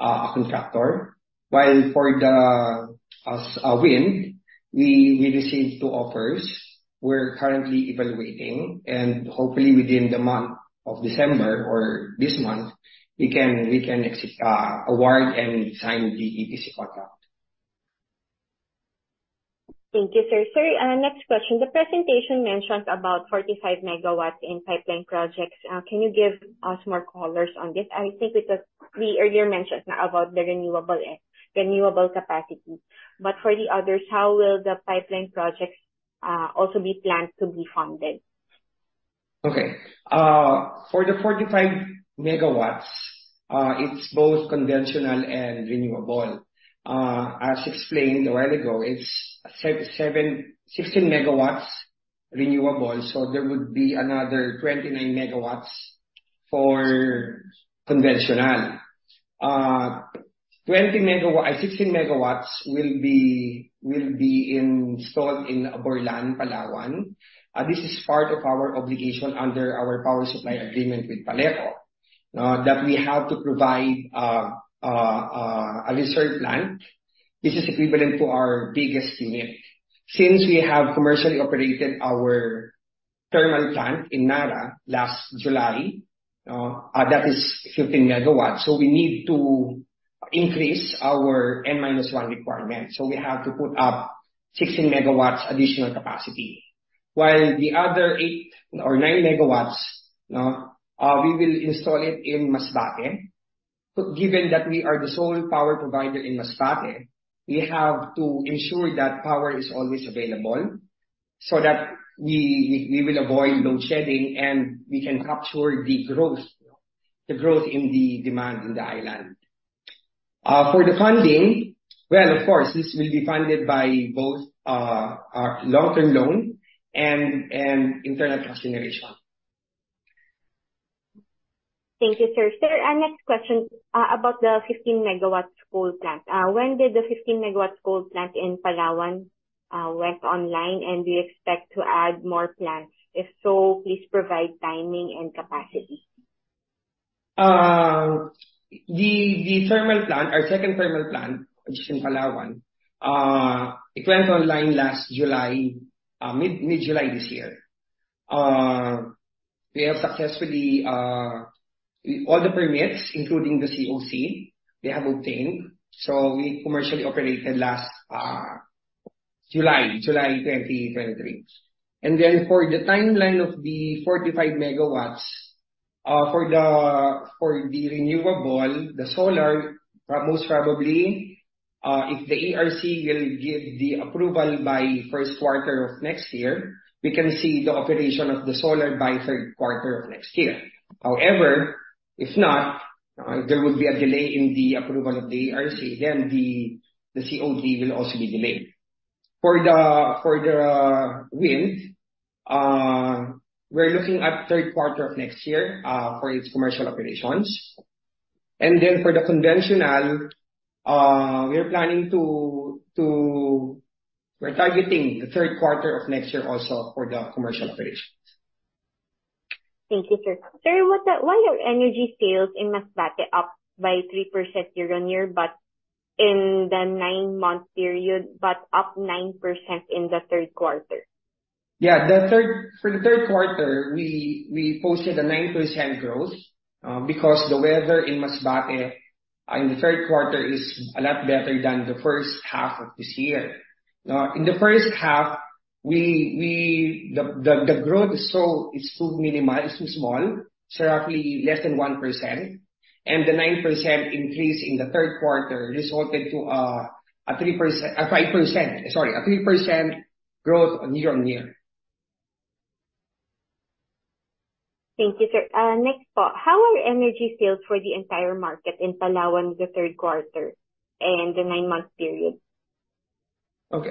a contractor. While for the wind, we received two offers. We're currently evaluating, and hopefully within the month of December or this month, we can award and sign the EPC contract. Thank you, sir. Sir, next question. The presentation mentions about 45 megawatts in pipeline projects. Can you give us more colors on this? I think it was we earlier mentioned na about the renewable capacity. For the others, how will the pipeline projects also be planned to be funded? Okay. For the 45 megawatts, it's both conventional and renewable. As explained a while ago, it's 16 megawatts renewable, so there would be another 29 megawatts for conventional. 16 megawatts will be installed in Aborlan, Palawan. This is part of our obligation under our power supply agreement with Paleco that we have to provide a reserve plant. This is equivalent to our biggest unit. Since we have commercially operated our thermal plant in Narra last July, that is 15 megawatts, so we need to increase our N-1 requirement. We have to put up 16 megawatts additional capacity. While the other 8 or 9 MW, we will install it in Masbate. Given that we are the sole power provider in Masbate, we have to ensure that power is always available so that we will avoid load shedding, and we can capture the growth in the demand in the island. For the funding, well, of course, this will be funded by both our long-term loan and internal cash generation. Thank you, sir. Sir, our next question about the 15 MW coal plant. When did the 15 MW coal plant in Palawan went online? And do you expect to add more plants? If so, please provide timing and capacity. The thermal plant, our second thermal plant, which is in Palawan, it went online last July, mid-July this year. We have successfully all the permits, including the COC, we have obtained, so we commercially operated last July 2023. For the timeline of the 45 MW, for the renewable, the solar most probably, if the ERC will give the approval by Q1 of next year, we can see the operation of the solar by Q3 of next year. However, if not, there would be a delay in the approval of the ERC, then the COD will also be delayed. For the wind, we're looking at Q3 of next year for its commercial operations. For the conventional, we are targeting the Q3 of next year also for the commercial operations. Thank you, sir. Sir, why are energy sales in Masbate up by 3% year-on-year, but in the nine-month period up 9% in the Q3? Yeah. For the Q3, we posted a 9% growth because the weather in Masbate in the Q3 is a lot better than the first half of this year. Now, in the H1, the growth is so, it's too minimal, it's too small, it's roughly less than 1%. The 9% increase in the Q3 resulted to a 3% growth year-on-year. Thank you, sir. Next po, how are energy sales for the entire market in Palawan in the Q3 and the nine-month period?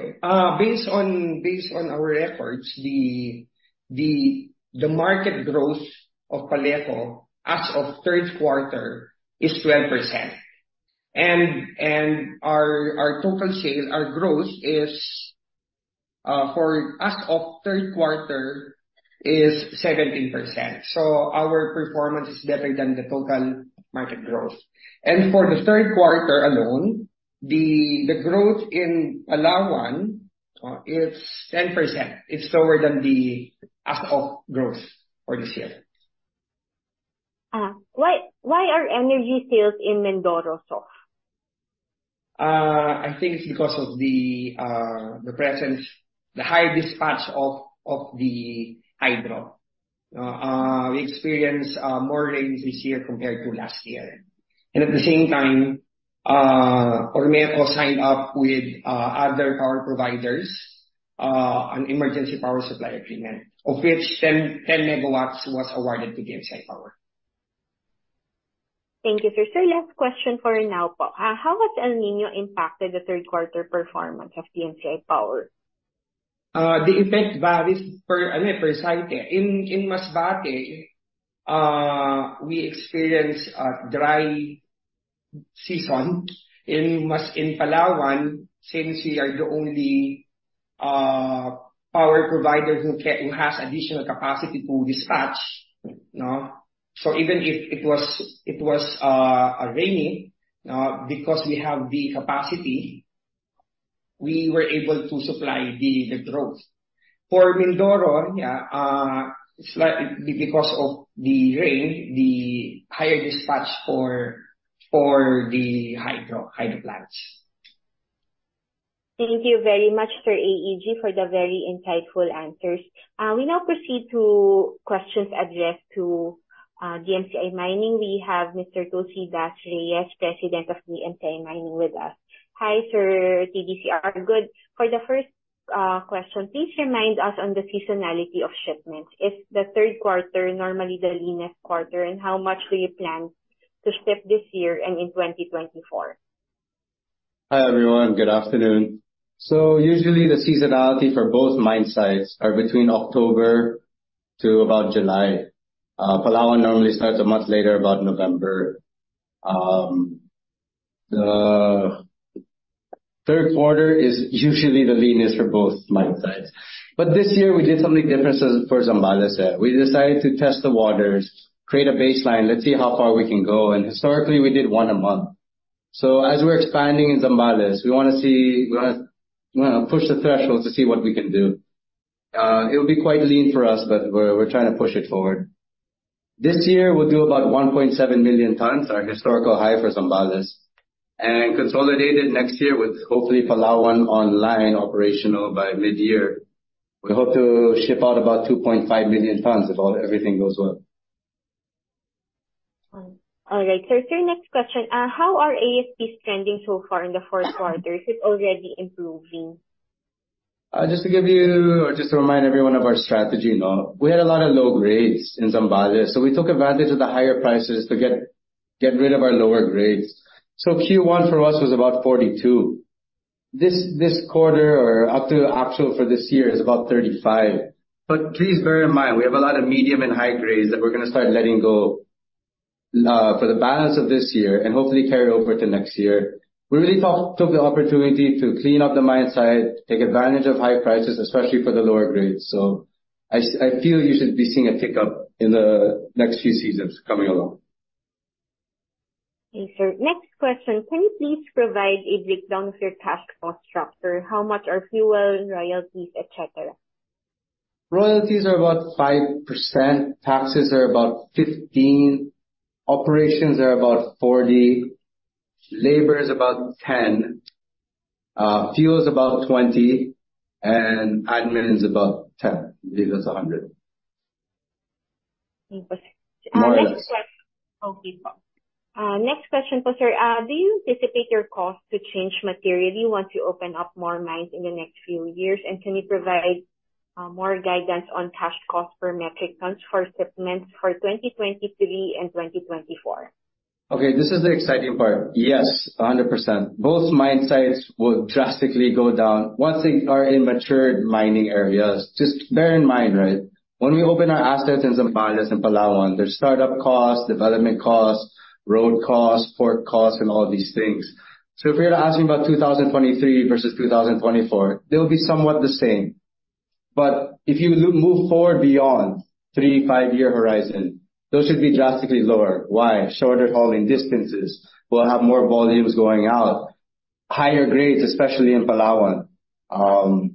Based on our records, the market growth of PALECO as of Q3 is 12%. Our total sales growth as of Q3 is 17%. Our performance is better than the total market growth. For the Q3 alone, the growth in Palawan is 10%. It's lower than the as of growth for this year. Why are energy sales in Mindoro soft? I think it's because of the presence, the high dispatch of the hydro. We experienced more rains this year compared to last year. At the same time, ORMECO signed up with other power providers on emergency power supply agreement, of which 10 megawatts was awarded to DMCI Power. Thank you, sir. Sir, last question for now po. How has El Niño impacted the Q3 performance of DMCI Power? The effect varies per site. In Masbate, we experienced a dry season. In Palawan, since we are the only power provider who has additional capacity to dispatch, you know? Even if it was rainy, because we have the capacity, we were able to supply the growth. For Mindoro, because of the rain, the higher dispatch for the hydro plants. Thank you very much, Sir AEG, for the very insightful answers. We now proceed to questions addressed to DMCI Mining. We have Mr. Tulsi Das C. Reyes, president of DMCI Mining with us. Hi, Sir TDCR. Good. For the first question, please remind us on the seasonality of shipments. Is the Q3 normally the leanest quarter, and how much do you plan to ship this year and in 2024? Hi, everyone. Good afternoon. Usually the seasonality for both mine sites are between October to about July. Palawan normally starts a month later, about November. The Q3 is usually the leanest for both mine sites. This year we did something different as, for Zambales there. We decided to test the waters, create a baseline, let's see how far we can go. Historically, we did one a month. As we're expanding in Zambales, we wanna see, we wanna push the thresholds to see what we can do. It'll be quite lean for us, but we're trying to push it forward. This year we'll do about 1.7 million tons, our historical high for Zambales. Consolidated next year with hopefully Palawan online, operational by midyear, we hope to ship out about 2.5 million tons if all everything goes well. All right, sir. Sir, next question. How are ASPs trending so far in the Q4? Is it already improving? Just to give you or just to remind everyone of our strategy, you know, we had a lot of low grades in Zambales, so we took advantage of the higher prices to get rid of our lower grades. Q1 for us was about 42. This quarter or up to actual for this year is about 35. Please bear in mind, we have a lot of medium, and high grades that we're gonna start letting go for the balance of this year and hopefully carry over to next year. We really took the opportunity to clean up the mine site, take advantage of high prices, especially for the lower grades. I feel you should be seeing a tick-up in the next few seasons coming along. Okay, sir. Next question: Can you please provide a breakdown of your cash cost structure? How much are fuel and royalties, et cetera? Royalties are about 5%, taxes are about 15%, operations are about 40%, labor is about 10%, fuel is about 20%, and admin is about 10%. It gives us 100. Okay. More or less. Next question, sir. Do you anticipate your costs to change materially once you open up more mines in the next few years? Can you provide more guidance on cash cost per metric tons for shipments for 2023 and 2024? Okay, this is the exciting part. Yes, 100%. Both mine sites will drastically go down once they are in mature mining areas. Just bear in mind, right, when we open our assets in Zambales and Palawan, there's startup costs, development costs, road costs, port costs, and all of these things. If you're asking about 2023 versus 2024, they'll be somewhat the same. If you move forward beyond three to five-year horizon, those should be drastically lower. Why? Shorter hauling distances. We'll have more volumes going out, higher grades, especially in Palawan,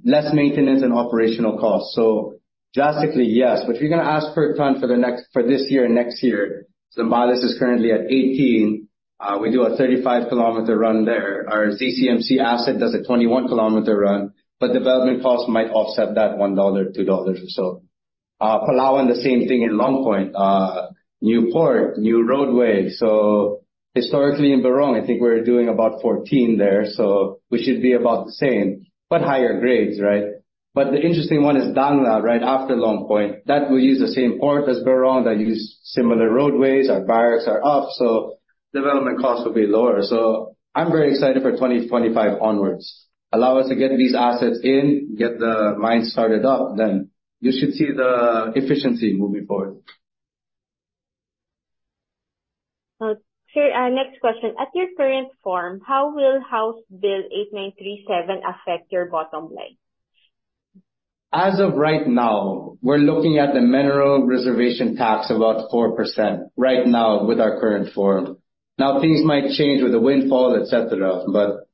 less maintenance and operational costs. Drastically, yes, but if you're gonna ask per ton for this year and next year, Zambales is currently at 18. We do a 35-kilometer run there. Our ZCMC asset does a 21-kilometer run, but development costs might offset that $1, $2 or so. Palawan, the same thing in Long Point. New port, new roadway. Historically in Berong, I think we're doing about $14 there, so we should be about the same, but higher grades, right? But the interesting one is Dangla right after Long Point. That will use the same port as Berong. That use similar roadways. Our barracks are up, so development costs will be lower. I'm very excited for 2025 onward. Allow us to get these assets in, get the mine started up, then you should see the efficiency moving forward. Sir, next question. In your current form, how will House Bill 8937 affect your bottom line? As of right now, we're looking at the mineral reservation tax about 4% right now with our current form. Now, things might change with the windfall, et cetera, but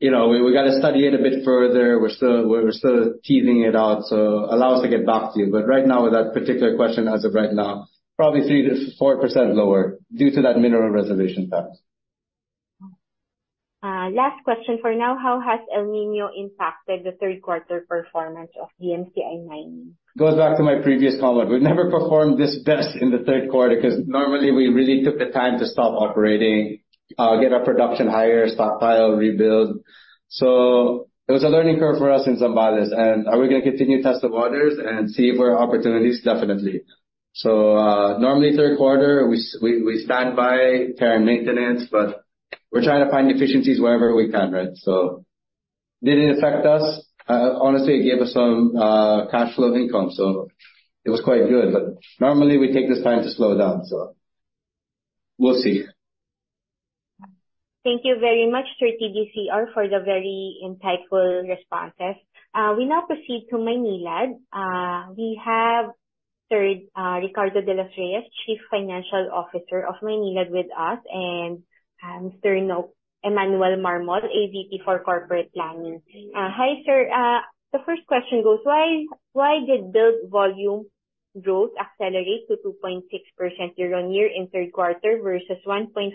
you know, we gotta study it a bit further. We're still teasing it out, so allow us to get back to you. Right now, with that particular question as of right now, probably 3%-4% lower due to that mineral reservation tax. Last question for now. How has El Niño impacted the Q3 performance of DMCI Mining? Goes back to my previous comment. We've never performed the best in the Q3 because normally we really took the time to stop operating, get our production higher, stockpile, rebuild. It was a learning curve for us in Zambales. Are we gonna continue to test the waters and see if there are opportunities? Definitely. Normally Q3, we stand by, carry maintenance, but we're trying to find efficiencies wherever we can, right? Did it affect us? Honestly, it gave us some cash flow income, so it was quite good. Normally we take this time to slow down, so we'll see. Thank you very much, Sir TG CR, for the very insightful responses. We now proceed to Maynilad. We have Sir Ricardo de los Reyes, Chief Financial Officer of Maynilad with us, and Mr. Emmanuel Marmol, AVP for Corporate Planning. Hi, sir. The first question goes: Why did billed volume growth accelerate to 2.6% year-over-year in Q3 versus 1.5%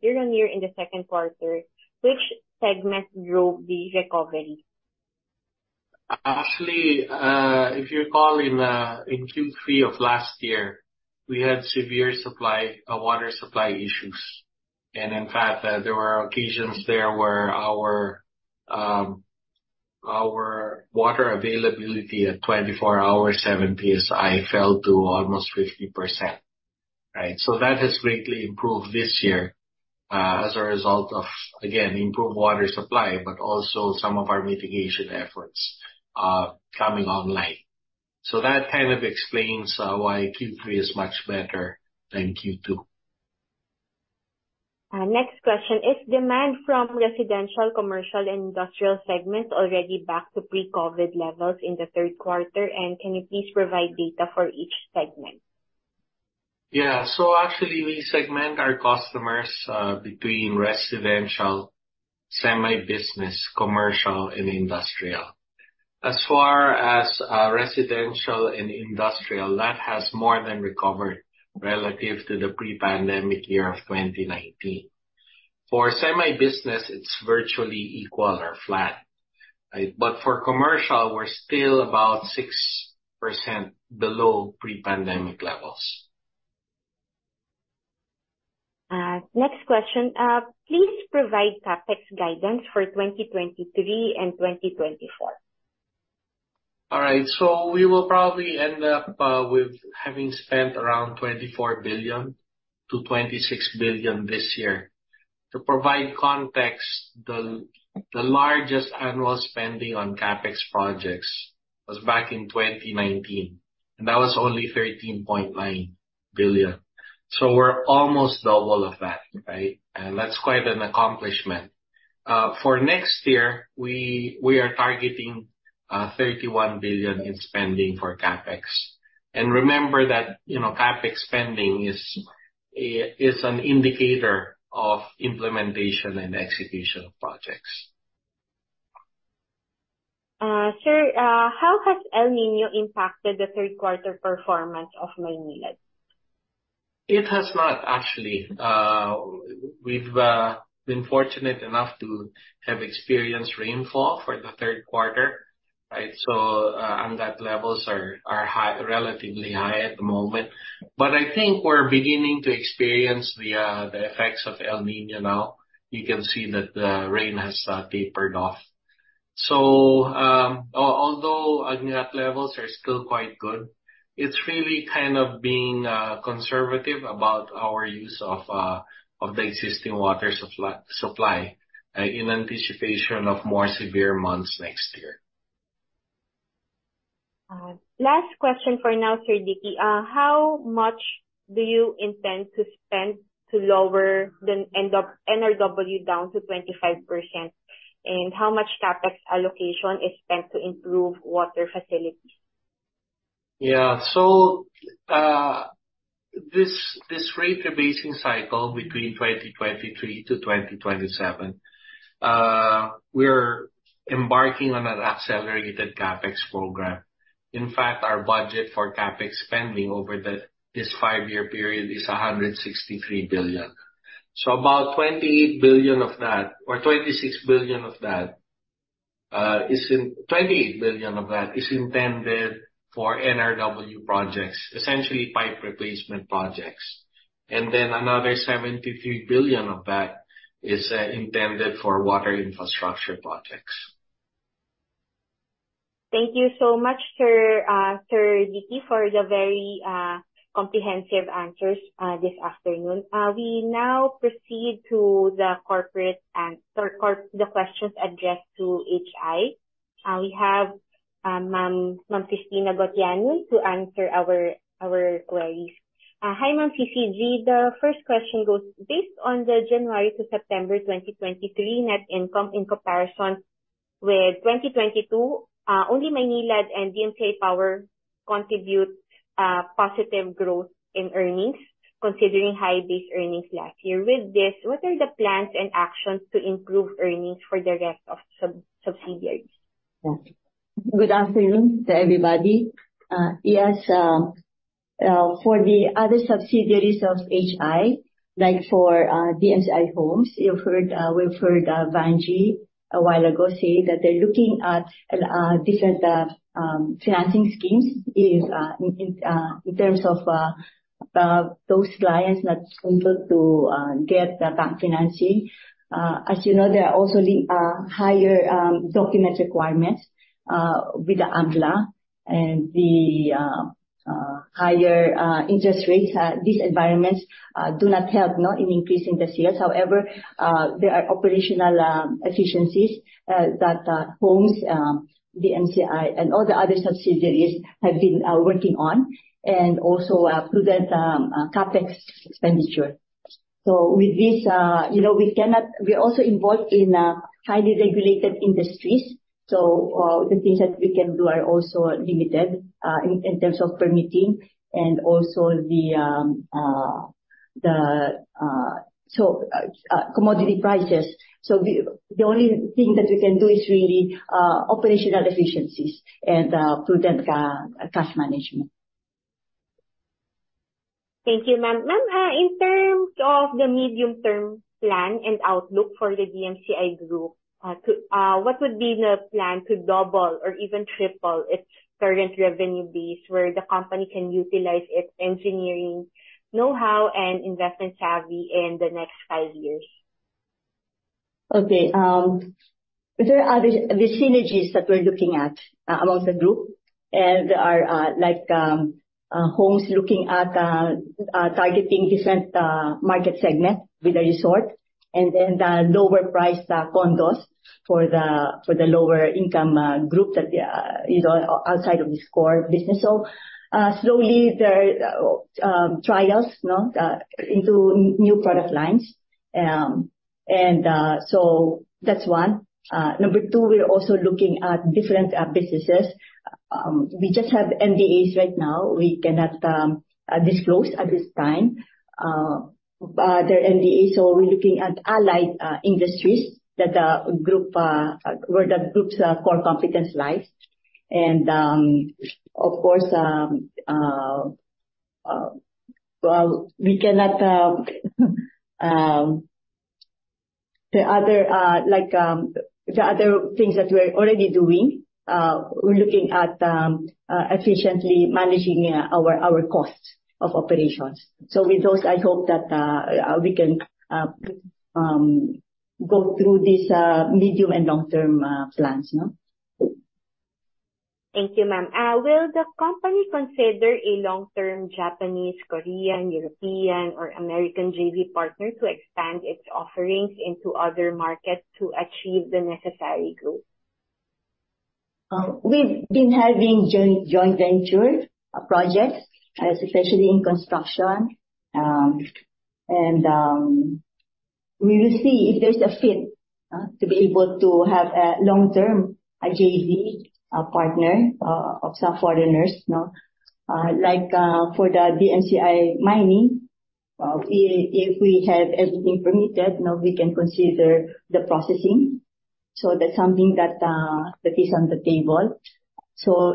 year-over-year in the Q2? Which segment drove the recovery? Actually, if you recall in Q3 of last year, we had severe water supply issues. In fact, there were occasions there where our water availability at 24 hours, 7 PSI fell to almost 50%, right? That has greatly improved this year, as a result of, again, improved water supply, but also some of our mitigation efforts, coming online. That kind of explains why Q3 is much better than Q2. Next question. Is demand from residential, commercial, and industrial segments already back to pre-COVID levels in the Q3? Can you please provide data for each segment? Actually, we segment our customers between residential, semi-business, commercial, and industrial. As far as residential and industrial, that has more than recovered relative to the pre-pandemic year of 2019. For semi-business, it's virtually equal or flat, right? For commercial, we're still about 6% below pre-pandemic levels. Next question. Please provide CapEx guidance for 2023 and 2024. All right, we will probably end up with having spent around 24 billion-26 billion this year. To provide context, the largest annual spending on CapEx projects was back in 2019, and that was only 13.9 billion. We're almost double of that, right? That's quite an accomplishment. For next year, we are targeting 31 billion in spending for CapEx. Remember that, you know, CapEx spending is an indicator of implementation and execution of projects. Sir, how has El Niño impacted the Q3 performance of Maynilad? It has not actually. We've been fortunate enough to have experienced rainfall for the Q3, right? The levels are high, relatively high at the moment. I think we're beginning to experience the effects of El Niño now. You can see that the rain has tapered off. Although Angat levels are still quite good, it's really kind of being conservative about our use of the existing water supply in anticipation of more severe months next year. Last question for now, Sir Dicky. How much do you intend to spend to lower the NRW down to 25%? How much CapEx allocation is spent to improve water facilities? Yeah, this rate rebasing cycle between 2023 to 2027, we're embarking on an accelerated CapEx program. In fact, our budget for CapEx spending over this five-year period is 163 billion. About 28 billion of that or 26 billion of that is intended for NRW projects, essentially pipe replacement projects. Another 73 billion of that is intended for water infrastructure projects. Thank you so much, sir, Sir Dicky, for the very comprehensive answers this afternoon. We now proceed to the corporate questions addressed to HI. We have Ma'am Cristina Gotianun to answer our queries. Hi, Ma'am CCG. The first question goes: Based on the January to September 2023 net income in comparison with 2022, only Maynilad and DMCI Power contribute positive growth in earnings considering high base earnings last year. With this, what are the plans and actions to improve earnings for the rest of subsidiaries? Yes. Good afternoon to everybody. For the other subsidiaries of HI, like for DMCI Homes, we've heard Vangie a while ago say that they're looking at different financing schemes in terms of those clients that's unable to get the bank financing. As you know, there are also higher document requirements with the AMLA and the higher interest rates. These environments do not help in increasing the sales. However, there are operational efficiencies that DMCI Homes and all the other subsidiaries have been working on and also prudent CapEx expenditure. With this, you know, we're also involved in highly regulated industries. The things that we can do are also limited in terms of permitting and also the commodity prices. The only thing that we can do is really operational efficiencies and prudent cash management. Thank you, ma'am. Ma'am, in terms of the medium-term plan and outlook for the DMCI group, what would be the plan to double or even triple its current revenue base where the company can utilize its engineering knowhow and investment savvy in the next five years? Okay. There are the synergies that we're looking at among the group and are like Homes looking at targeting different market segment with the resort and then the lower priced condos for the lower income group that is outside of this core business. So, slowly venturing into new product lines. That's one. Number two, we're also looking at different businesses. We just have M&As right now. We cannot disclose at this time, but they're M&As, so we're looking at allied industries where the group's core competence lies. Of course, well, we cannot. The other, like, the other things that we're already doing, we're looking at efficiently managing our costs of operations. With those, I hope that we can go through this medium and long-term plans, no? Thank you, ma'am. Will the company consider a long-term Japanese, Korean, European, or American JV partner to expand its offerings into other markets to achieve the necessary growth? We've been having joint venture projects, especially in construction. We will see if there's a fit to be able to have a long-term JV partner of some foreigners, no? Like, for the DMCI Mining, if we have everything permitted, now we can consider the processing. That's something that is on the table.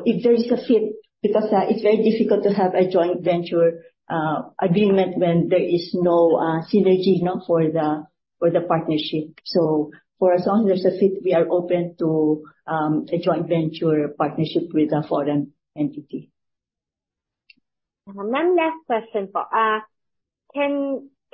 If there is a fit, because it's very difficult to have a joint venture agreement when there is no synergy, no, for the partnership. For as long as there's a fit, we are open to a joint venture partnership with a foreign entity. Ma'am, last question po.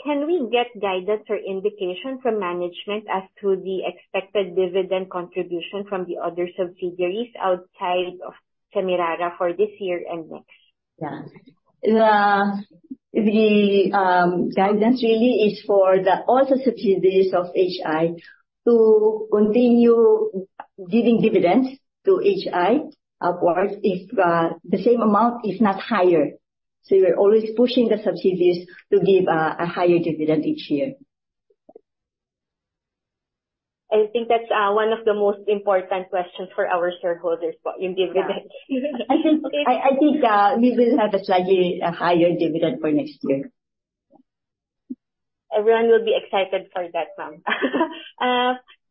Can we get guidance or indication from management as to the expected dividend contribution from the other subsidiaries outside of Semirara for this year and next? Yeah. The guidance really is for the other subsidiaries of HI to continue giving dividends to HI upwards if the same amount, if not higher. We are always pushing the subsidiaries to give a higher dividend each year. I think that's one of the most important questions for our shareholders po, the dividend. Yeah. I think we will have a slightly higher dividend for next year. Everyone will be excited for that, ma'am.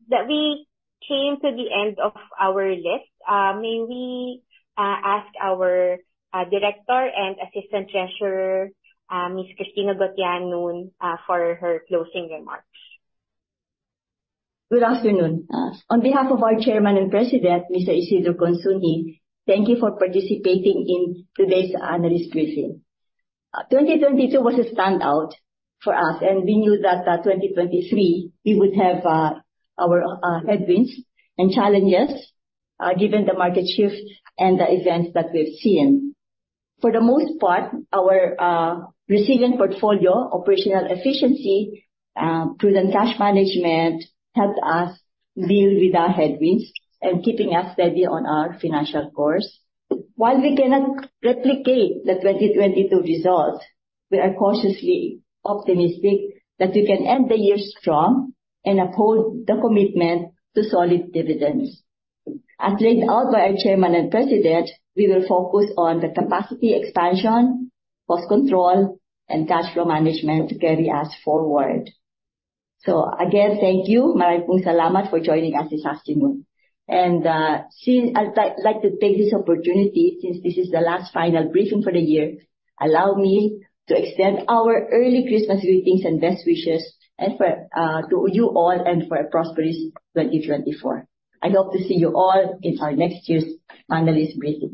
That we came to the end of our list. May we ask our Director and Assistant Treasurer, Ms. Cristina Gotianun, for her closing remarks. Good afternoon. On behalf of our chairman and president, Mr. Isidro Consunji, thank you for participating in today's analyst briefing. 2022 was a standout for us, and we knew that, 2023, we would have, our headwinds and challenges, given the market shifts and the events that we've seen. For the most part, our resilient portfolio, operational efficiency, prudent cash management helped us deal with our headwinds and keeping us steady on our financial course. While we cannot replicate the 2022 results, we are cautiously optimistic that we can end the year strong and uphold the commitment to solid dividends. As laid out by our chairman and president, we will focus on the capacity expansion, cost control, and cash flow management to carry us forward. Again, thank you, maraming salamat, for joining us this afternoon. I'd like to take this opportunity, since this is the last final briefing for the year, allow me to extend our early Christmas greetings, and best wishes to you all and for a prosperous 2024. I hope to see you all in our next year's analyst briefing.